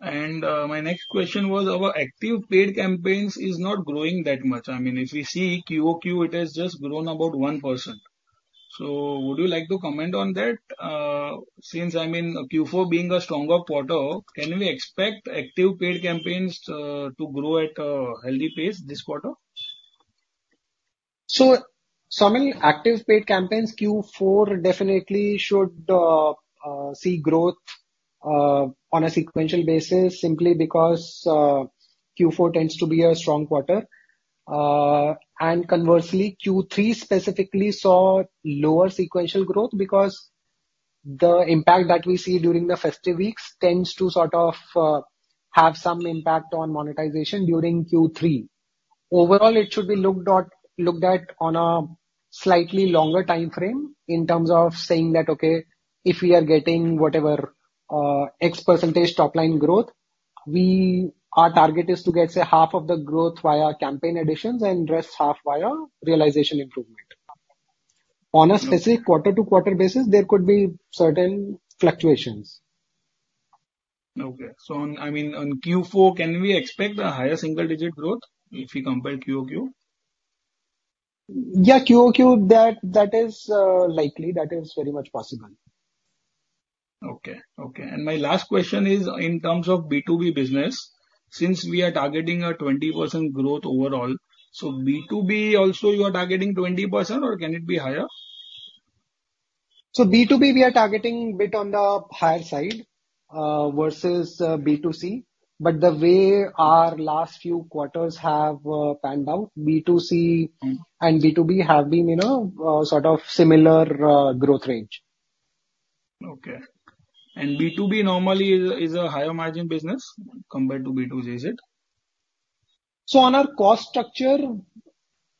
Speaker 8: And my next question was about active paid campaigns is not growing that much. I mean, if you see QoQ, it has just grown about 1%. So would you like to comment on that? Since, I mean, Q4 being a stronger quarter, can we expect active paid campaigns to grow at a healthy pace this quarter?
Speaker 2: So, Soumil, active paid campaigns, Q4 definitely should see growth on a sequential basis simply because Q4 tends to be a strong quarter. And conversely, Q3 specifically saw lower sequential growth because the impact that we see during the festive weeks tends to sort of have some impact on monetization during Q3. Overall, it should be looked at on a slightly longer timeframe in terms of saying that, okay, if we are getting whatever X% top line growth, our target is to get, say, half of the growth via campaign additions and rest half via realization improvement.
Speaker 8: Okay.
Speaker 2: On a specific quarter-over-quarter basis, there could be certain fluctuations.
Speaker 8: Okay. So on, I mean, on Q4, can we expect a higher single-digit growth if we compare QoQ?
Speaker 2: Yeah, QoQ, that is likely. That is very much possible.
Speaker 8: Okay, okay. And my last question is in terms of B2B business, since we are targeting a 20% growth overall, so B2B also you are targeting 20%, or can it be higher?
Speaker 2: So B2B, we are targeting a bit on the higher side versus B2C. But the way our last few quarters have panned out, B2C and B2B have been in a sort of similar growth range.
Speaker 8: Okay. And B2B normally is a higher margin business compared to B2C, is it?
Speaker 2: So on our cost structure,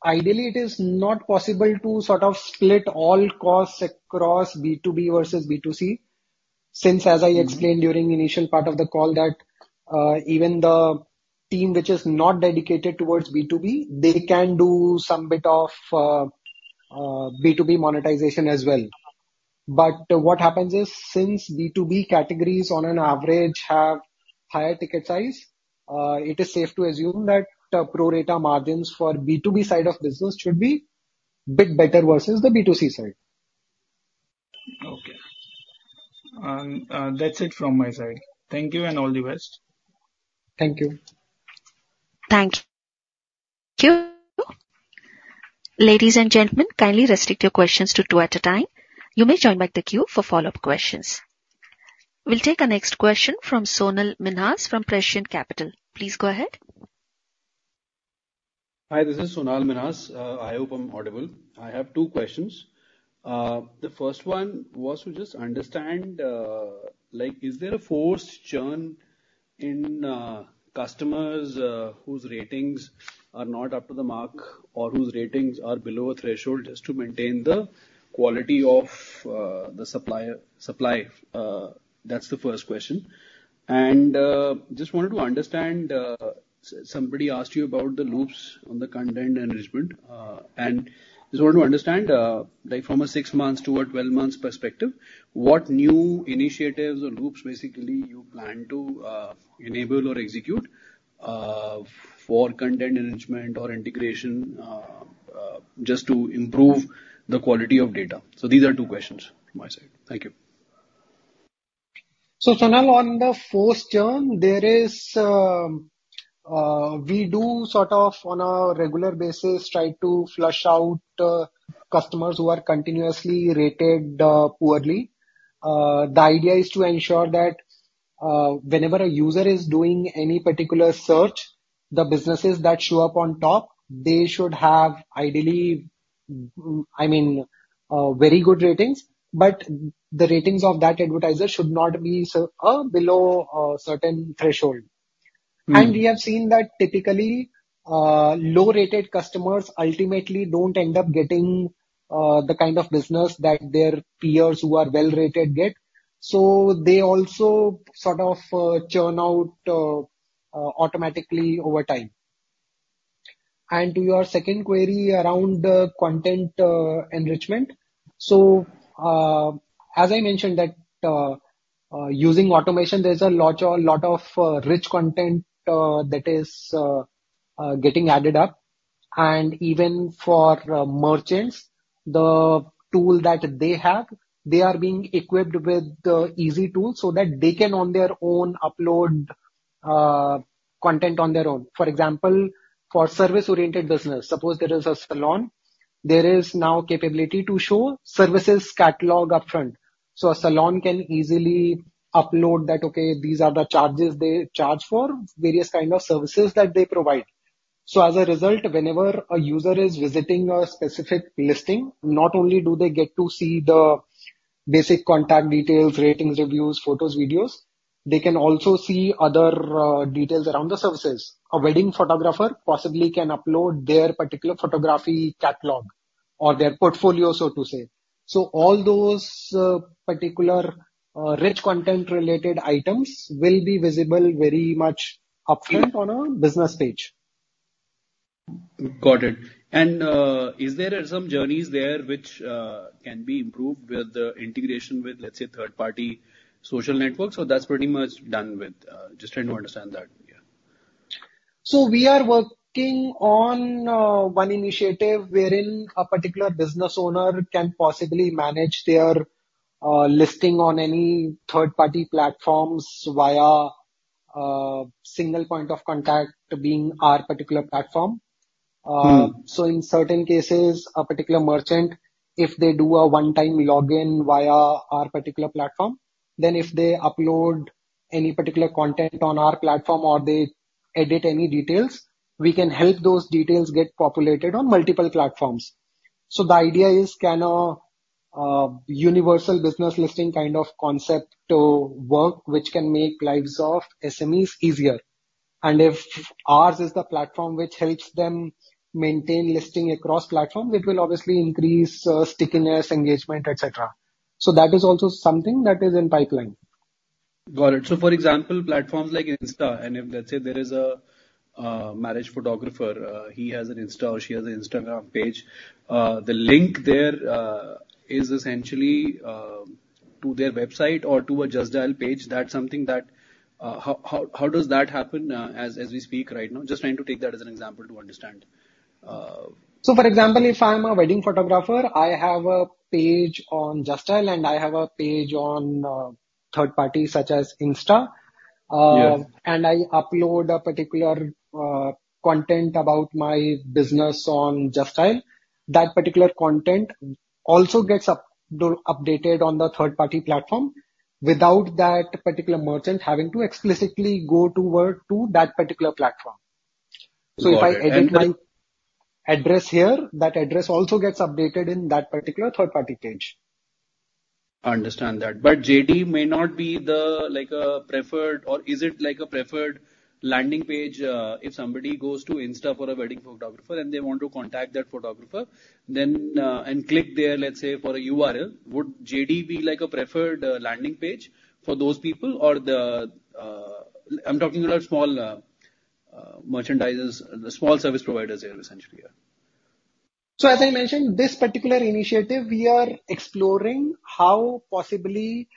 Speaker 2: ideally, it is not possible to sort of split all costs across B2B versus B2C, since, as I explained during initial part of the call, that even the team which is not dedicated towards B2B, they can do some bit of B2B monetization as well. But what happens is, since B2B categories on an average have higher ticket size, it is safe to assume that the pro rata margins for B2B side of business should be bit better versus the B2C side.
Speaker 8: Okay. That's it from my side. Thank you, and all the best.
Speaker 2: Thank you.
Speaker 1: Thank you. Ladies and gentlemen, kindly restrict your questions to two at a time. You may join back the queue for follow-up questions. We'll take the next question from Sonal Minhas, from Prescient Capital. Please go ahead.
Speaker 9: Hi, this is Sonal Minhas. I hope I'm audible. I have two questions. The first one was to just understand, like, is there a forced churn in customers whose ratings are not up to the mark or whose ratings are below a threshold, just to maintain the quality of the supplier, supply? That's the first question. And just wanted to understand, somebody asked you about the loops on the content enrichment, and just want to understand, like from a six months toward 12 months perspective, what new initiatives or loops basically you plan to enable or execute for content enrichment or integration just to improve the quality of data? So these are two questions from my side. Thank you.
Speaker 2: So Sonal, on the forced churn, there is, we do sort of on a regular basis, try to flush out, customers who are continuously rated, poorly. The idea is to ensure that, whenever a user is doing any particular search, the businesses that show up on top, they should have ideally, I mean, very good ratings. But the ratings of that advertiser should not be so, below, a certain threshold. We have seen that typically, low-rated customers ultimately don't end up getting the kind of business that their peers who are well-rated get. So they also sort of churn out automatically over time. To your second query around the content enrichment. So, as I mentioned, using automation, there's a lot of rich content that is getting added up. Even for merchants, the tool that they have, they are being equipped with the easy tools so that they can, on their own, upload content on their own. For example, for service-oriented business, suppose there is a salon, there is now capability to show services catalog upfront. So a salon can easily upload that. Okay, these are the charges they charge for various kind of services that they provide. So as a result, whenever a user is visiting a specific listing, not only do they get to see the basic contact details, ratings, reviews, photos, videos, they can also see other details around the services. A wedding photographer possibly can upload their particular photography catalog or their portfolio, so to say. So all those particular rich content-related items will be visible very much upfront on a business page.
Speaker 9: Got it. And, is there some journeys there which can be improved with the integration with, let's say, third-party social networks, or that's pretty much done with? Just trying to understand that. Yeah.
Speaker 2: We are working on one initiative wherein a particular business owner can possibly manage their listing on any third-party platforms via single point of contact being our particular platform. So in certain cases, a particular merchant, if they do a one-time login via our particular platform, then if they upload any particular content on our platform or they edit any details, we can help those details get populated on multiple platforms. So the idea is, can a universal business listing kind of concept to work, which can make lives of SMEs easier? And if ours is the platform which helps them maintain listing across platforms, it will obviously increase stickiness, engagement, et cetera. So that is also something that is in pipeline.
Speaker 9: Got it. So, for example, platforms like Insta, and if, let's say, there is a marriage photographer, he has an Insta or she has an Instagram page, the link there is essentially to their website or to a Justdial page. That's something that how does that happen, as we speak right now? Just trying to take that as an example to understand.
Speaker 2: So, for example, if I'm a wedding photographer, I have a page on Justdial, and I have a page on third party such as Insta.
Speaker 9: Yeah.
Speaker 2: I upload a particular content about my business on Justdial. That particular content also gets updated on the third-party platform, without that particular merchant having to explicitly go toward to that particular platform.
Speaker 9: Got it.
Speaker 2: If I edit my address here, that address also gets updated in that particular third-party page.
Speaker 9: I understand that. But JD may not be the, like a preferred. Or is it like a preferred landing page, if somebody goes to Insta for a wedding photographer and they want to contact that photographer, then and click there, let's say, for a URL, would JD be like a preferred landing page for those people? Or, I'm talking about small merchandisers, the small service providers there, essentially, yeah.
Speaker 2: So as I mentioned, this particular initiative, we are exploring how possibly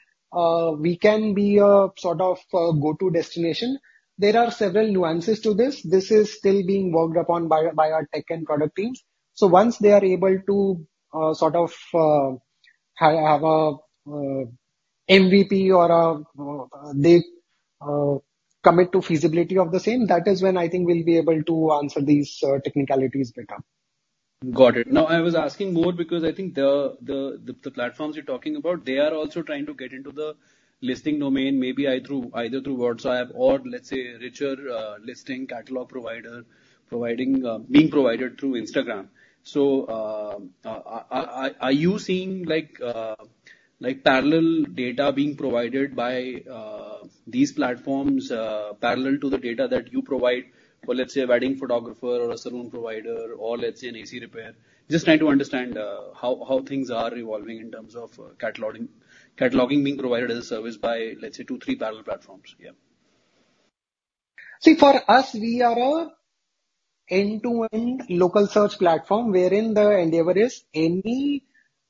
Speaker 2: we can be a sort of a go-to destination. There are several nuances to this. This is still being worked upon by our tech and product teams. So once they are able to sort of have a MVP or they commit to feasibility of the same, that is when I think we'll be able to answer these technicalities better.
Speaker 9: Got it. Now, I was asking more because I think the platforms you're talking about, they are also trying to get into the listing domain, maybe through either through WhatsApp or let's say, richer listing catalog provider providing being provided through Instagram. So, are you seeing like parallel data being provided by these platforms, parallel to the data that you provide for, let's say, a wedding photographer or a salon provider or let's say an AC repair? Just trying to understand how things are evolving in terms of cataloging being provided as a service by, let's say, two, three parallel platforms. Yeah.
Speaker 2: See, for us, we are an end-to-end local search platform, wherein the endeavor is any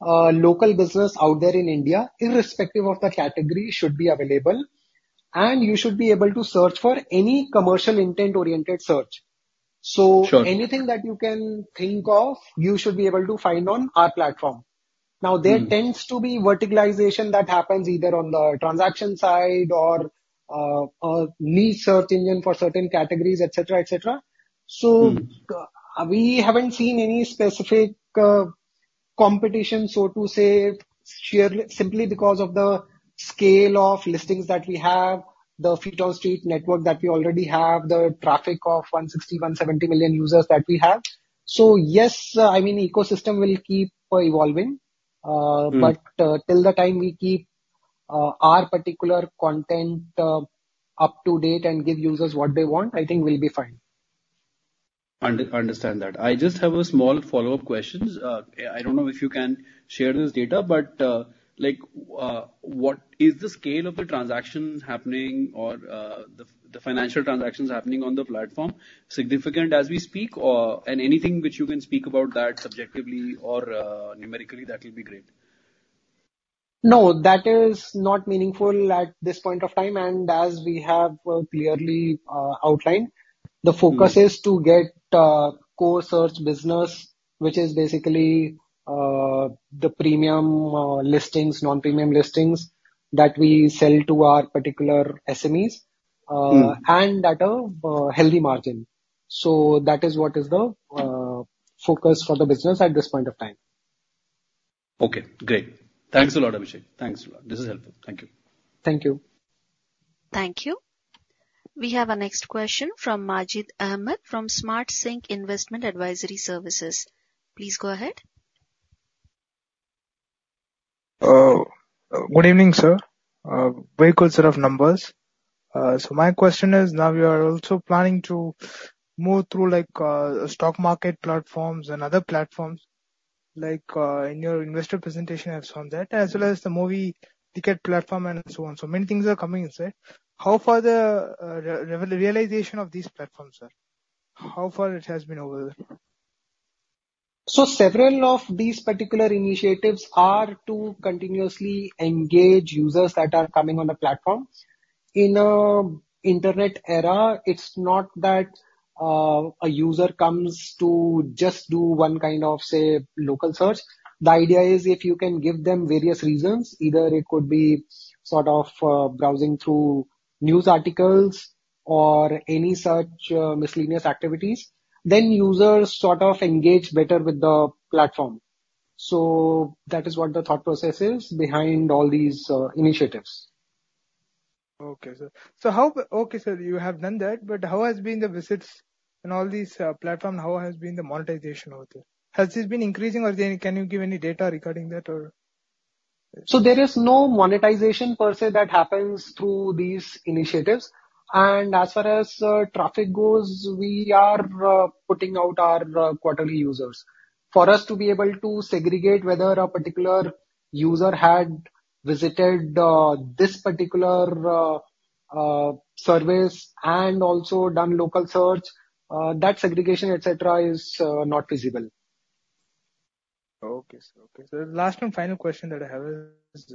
Speaker 2: local business out there in India, irrespective of the category, should be available, and you should be able to search for any commercial intent-oriented search.
Speaker 9: Sure.
Speaker 2: Anything that you can think of, you should be able to find on our platform. Now, there tends to be verticalization that happens either on the transaction side or a niche search engine for certain categories, et cetera, et cetera. So we haven't seen any specific competition, so to say, sheerly, simply because of the scale of listings that we have, the feet on street network that we already have, the traffic of 160-170 million users that we have. So yes, I mean, ecosystem will keep on evolving. Till the time we keep our particular content up to date and give users what they want, I think we'll be fine.
Speaker 9: Understand that. I just have a small follow-up questions. I don't know if you can share this data, but, like, what is the scale of the transaction happening or, the financial transactions happening on the platform? Significant as we speak, or and anything which you can speak about that subjectively or, numerically, that will be great.
Speaker 2: No, that is not meaningful at this point of time. And as we have clearly outlined, the focus is to get, core search business, which is basically, the premium, listings, non-premium listings, that we sell to our particular SMEs and at a healthy margin. So that is what is the focus for the business at this point of time.
Speaker 9: Okay, great. Thanks a lot, Abhishek. Thanks a lot. This is helpful. Thank you.
Speaker 2: Thank you.
Speaker 1: Thank you. We have our next question from Majid Ahmed, from Smart Sync Investment Advisory Services. Please go ahead.
Speaker 10: Good evening, sir. Very good set of numbers. So my question is: Now, you are also planning to move through, like, stock market platforms and other platforms, like, in your investor presentation, I have seen that, as well as the movie ticket platform and so on. So many things are coming in, sir. How far the realization of these platforms, sir? How far it has been over?
Speaker 2: So several of these particular initiatives are to continuously engage users that are coming on the platform. In an internet era, it's not that a user comes to just do one kind of, say, local search. The idea is if you can give them various reasons, either it could be sort of browsing through news articles or any such miscellaneous activities, then users sort of engage better with the platform. So that is what the thought process is behind all these initiatives.
Speaker 10: Okay, sir. So how has been the visits in all these platform? How has been the monetization out there? Has this been increasing or then can you give any data regarding that or?
Speaker 2: So there is no monetization per se that happens through these initiatives. As far as traffic goes, we are putting out our quarterly users. For us to be able to segregate whether a particular user had visited this particular service and also done local search, that segregation, et cetera, is not feasible.
Speaker 10: Okay, sir. Okay, so the last and final question that I have is,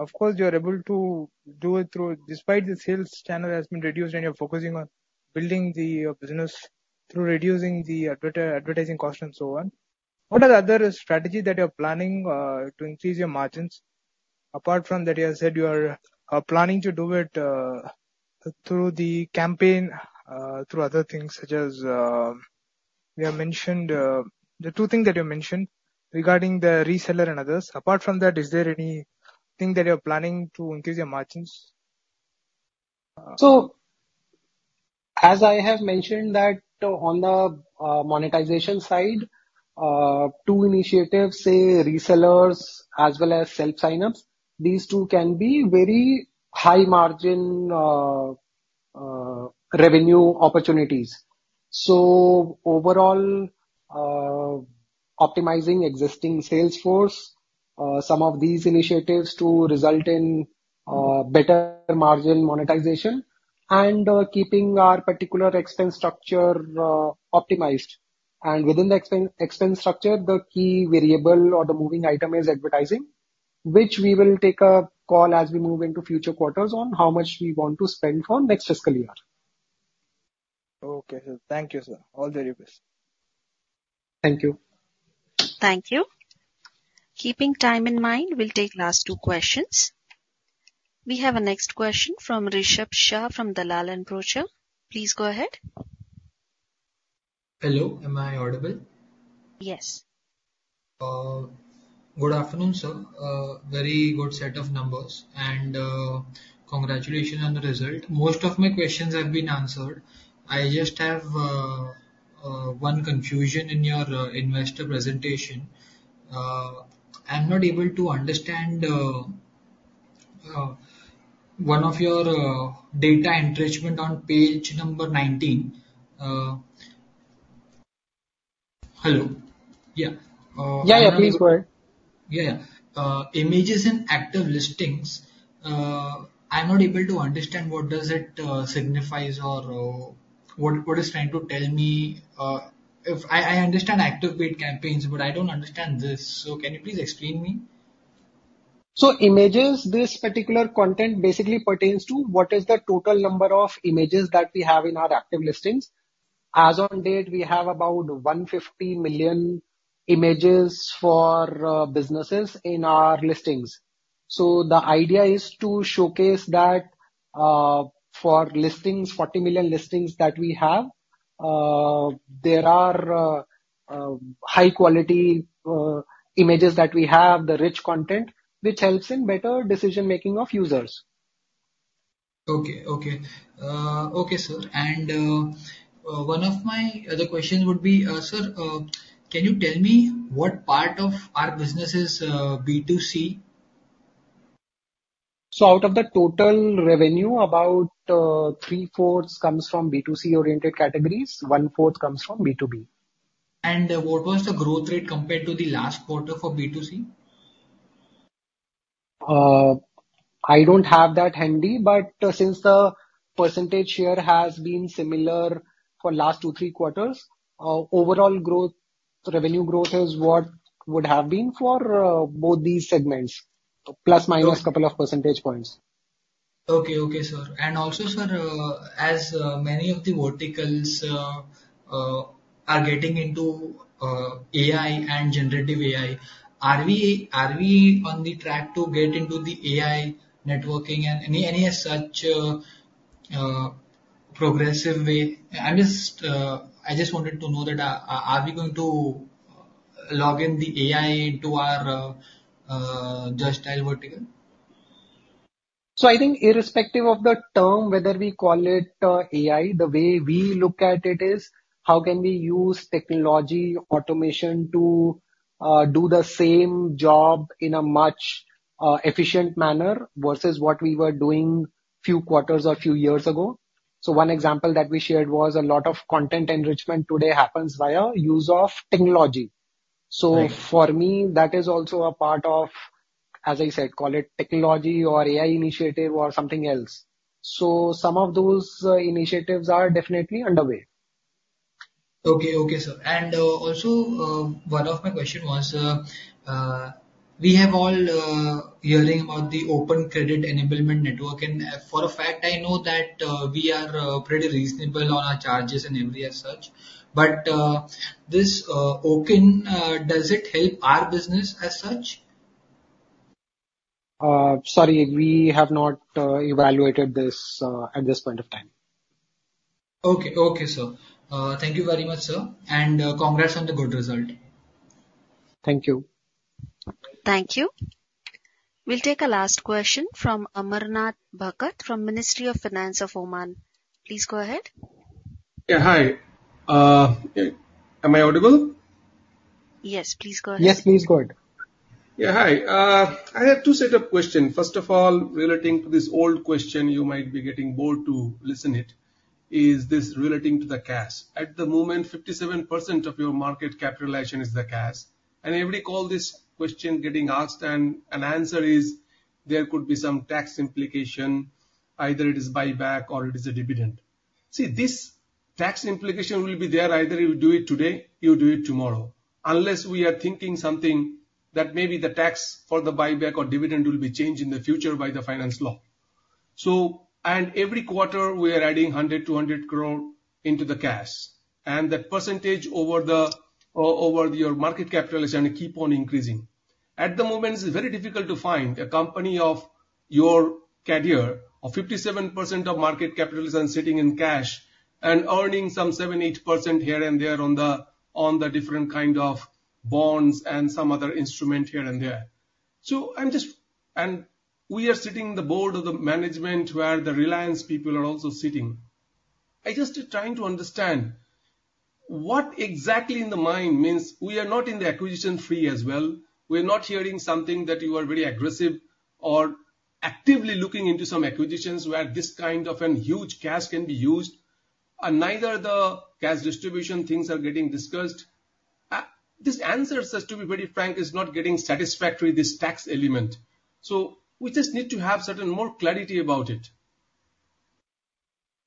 Speaker 10: of course, you are able to do it through... Despite the sales channel has been reduced and you're focusing on building the business through reducing the advertising cost and so on, what are the other strategy that you're planning to increase your margins? Apart from that, you have said you are planning to do it through the campaign, through other things, such as, you have mentioned the two thing that you mentioned regarding the reseller and others. Apart from that, is there anything that you're planning to increase your margins?
Speaker 2: So as I have mentioned that on the monetization side, two initiatives, say, resellers as well as self-signups, these two can be very high margin revenue opportunities. So overall, optimizing existing sales force, some of these initiatives to result in better margin monetization and keeping our particular expense structure optimized. And within the expense expense structure, the key variable or the moving item is advertising, which we will take a call as we move into future quarters on how much we want to spend for next fiscal year.
Speaker 10: Okay, sir. Thank you, sir. All the very best.
Speaker 2: Thank you.
Speaker 1: Thank you. Keeping time in mind, we'll take last two questions. We have our next question from Rishabh Shah from Dalal and Brocha. Please go ahead.
Speaker 11: Hello, am I audible?
Speaker 1: Yes.
Speaker 11: Good afternoon, sir. Very good set of numbers, and congratulations on the result. Most of my questions have been answered. I just have one confusion in your investor presentation. I'm not able to understand one of your data enrichment on page number 19. Hello? Yeah,
Speaker 2: Yeah, yeah, please go ahead.
Speaker 11: Yeah. Images in active listings, I'm not able to understand what does it signify or what it's trying to tell me. If I understand active paid campaigns, but I don't understand this, so can you please explain me?
Speaker 2: So images, this particular content basically pertains to what is the total number of images that we have in our active listings. As on date, we have about 150 million images for, businesses in our listings. So the idea is to showcase that, for listings, 40 million listings that we have, there are, high quality, images that we have, the rich content, which helps in better decision-making of users.
Speaker 11: Okay, okay. Okay, sir. One of my other questions would be, sir, can you tell me what part of our business is B2C?
Speaker 2: Out of the total revenue, about three-fourths comes from B2C-oriented categories, one-fourth comes from B2B.
Speaker 11: What was the growth rate compared to the last quarter for B2C?
Speaker 2: I don't have that handy, but since the percentage share has been similar for last two, three quarters, overall growth, revenue growth is what would have been for both these segments, plus, minus couple of percentage points.
Speaker 11: Okay. Okay, sir. And also, sir, as many of the verticals are getting into AI and generative AI, are we, are we on the track to get into the AI networking and any, any as such progressive way? I'm just, I just wanted to know that, are we going to log in the AI into our Justdial vertical?
Speaker 2: So I think irrespective of the term, whether we call it, AI, the way we look at it is: how can we use technology automation to, do the same job in a much, efficient manner versus what we were doing few quarters or few years ago? So one example that we shared was a lot of content enrichment today happens via use of technology.
Speaker 11: Right.
Speaker 2: So for me, that is also a part of, as I said, call it technology or AI initiative or something else. So some of those initiatives are definitely underway.
Speaker 11: Okay. Okay, sir. And, also, one of my question was, we have all hearing about the Open Credit Enablement Network, and for a fact, I know that we are pretty reasonable on our charges and every as such. But, this OCEN does it help our business as such?
Speaker 2: Sorry, we have not evaluated this at this point of time.
Speaker 11: Okay. Okay, sir. Thank you very much, sir, and congrats on the good result.
Speaker 2: Thank you.
Speaker 1: Thank you. We'll take a last question from Amarnath Bhakat, from Ministry of Finance of Oman. Please go ahead.
Speaker 12: Yeah, hi. Am I audible?
Speaker 1: Yes, please go ahead.
Speaker 2: Yes, please go ahead.
Speaker 12: Yeah, hi. I have two sets of questions. First of all, relating to this old question, you might be getting bored to listen it, is this relating to the cash. At the moment, 57% of your market capitalization is the cash. And every call, this question getting asked, and answer is there could be some tax implication, either it is buyback or it is a dividend. See, this tax implication will be there, either you'll do it today, you'll do it tomorrow, unless we are thinking something that maybe the tax for the buyback or dividend will be changed in the future by the finance law. So... and every quarter, we are adding 100-200 crore into the cash, and that percentage over the over your market capitalization will keep on increasing. At the moment, it's very difficult to find a company of your career, of 57% of market capitalization sitting in cash and earning some 7-8% here and there on the, on the different kind of bonds and some other instrument here and there. So I'm just we are sitting in the board of the management, where the Reliance people are also sitting. I'm just trying to understand, what exactly in the mind means we are not in the acquisition fee as well, we are not hearing something that you are very aggressive or actively looking into some acquisitions where this kind of an huge cash can be used, and neither the cash distribution things are getting discussed. This answer, sir, to be very frank, is not getting satisfactory, this tax element. So we just need to have certain more clarity about it.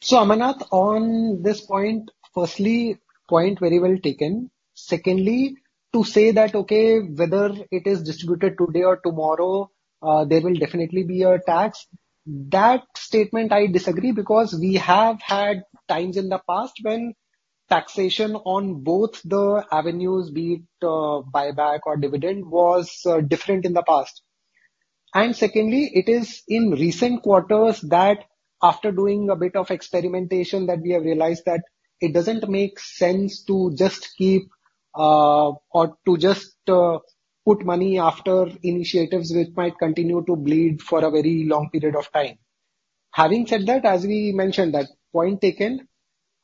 Speaker 2: So, Amarnath, on this point, firstly, point very well taken. Secondly, to say that, okay, whether it is distributed today or tomorrow, there will definitely be a tax. That statement I disagree, because we have had times in the past when taxation on both the avenues, be it, buyback or dividend, was different in the past. And secondly, it is in recent quarters that after doing a bit of experimentation, that we have realized that it doesn't make sense to just keep, or to just, put money after initiatives which might continue to bleed for a very long period of time. Having said that, as we mentioned, that point taken,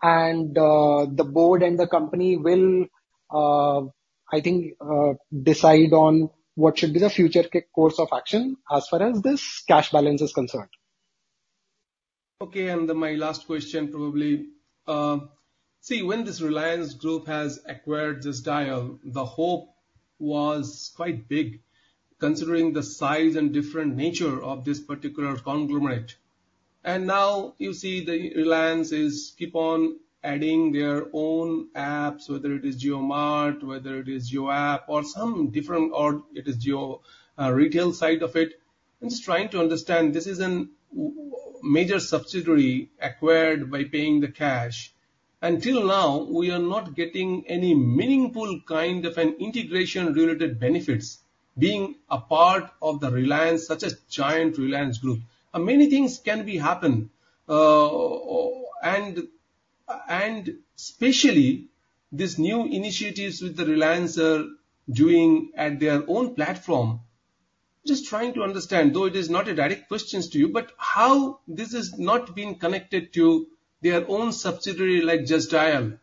Speaker 2: and, the board and the company will, I think, decide on what should be the future course of action as far as this cash balance is concerned.
Speaker 12: Okay, and my last question probably. See, when this Reliance group has acquired Justdial, the hope was quite big, considering the size and different nature of this particular conglomerate. And now you see the Reliance is keep on adding their own apps, whether it is JioMart, whether it is Jio app, or some different, or it is Jio retail side of it. I'm just trying to understand, this is a major subsidiary acquired by paying the cash. Until now, we are not getting any meaningful kind of an integration-related benefits, being a part of the Reliance, such a giant Reliance group. Many things can be happened, and especially these new initiatives with the Reliance are doing at their own platform. Just trying to understand, though it is not a direct question to you, but how this has not been connected to their own subsidiary, like Just Dial?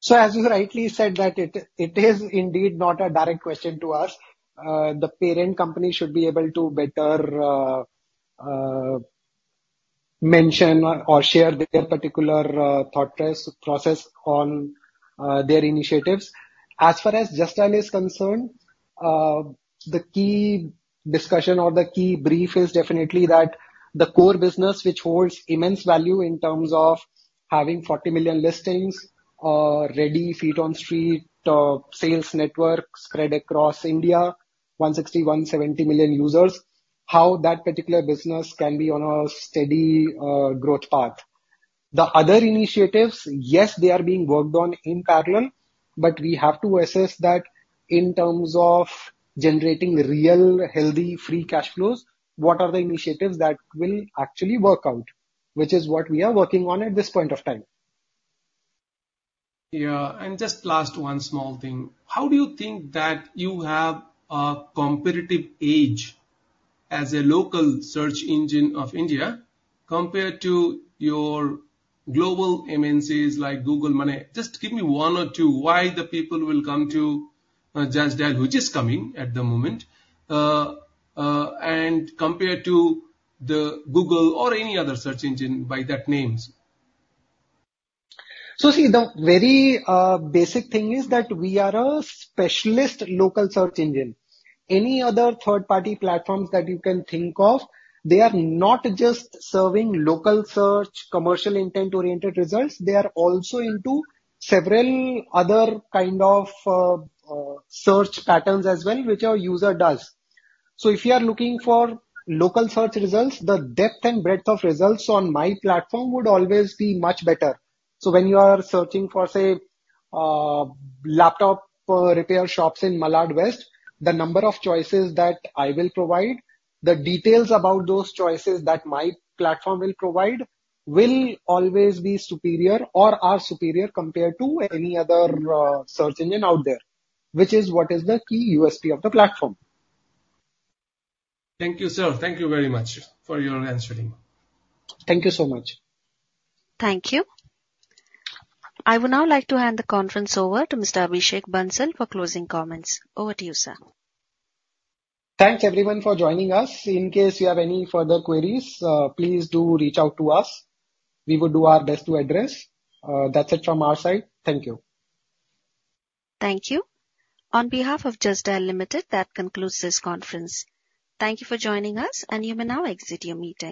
Speaker 2: So, as you rightly said, it is indeed not a direct question to us. The parent company should be able to better mention or share their particular thought process on their initiatives. As far as Justdial is concerned, the key discussion or the key brief is definitely that the core business, which holds immense value in terms of having 40 million listings, ready feet-on-street sales network spread across India, 160 to 170 million users, how that particular business can be on a steady growth path. The other initiatives, yes, they are being worked on in parallel, but we have to assess that in terms of generating real, healthy, free cash flows, what are the initiatives that will actually work out? Which is what we are working on at this point of time.
Speaker 12: Yeah, and just last one small thing. How do you think that you have a competitive edge as a local search engine of India compared to your global MNCs like Google, mane? Just give me one or two, why the people will come to Justdial, which is coming at the moment, and compared to the Google or any other search engine by that names.
Speaker 2: So see, the very, basic thing is that we are a specialist local search engine. Any other third-party platforms that you can think of, they are not just serving local search, commercial intent-oriented results, they are also into several other kind of, search patterns as well, which our user does. So if you are looking for local search results, the depth and breadth of results on my platform would always be much better. So when you are searching for, say, laptop, repair shops in Malad West, the number of choices that I will provide, the details about those choices that my platform will provide, will always be superior or are superior compared to any other, search engine out there, which is what is the key USP of the platform.
Speaker 12: Thank you, sir. Thank you very much for your answering.
Speaker 2: Thank you so much.
Speaker 1: Thank you. I would now like to hand the conference over to Mr. Abhishek Bansal for closing comments. Over to you, sir.
Speaker 2: Thanks, everyone, for joining us. In case you have any further queries, please do reach out to us. We will do our best to address. That's it from our side. Thank you.
Speaker 1: Thank you. On behalf of Just Dial Limited, that concludes this conference. Thank you for joining us, and you may now exit your meeting.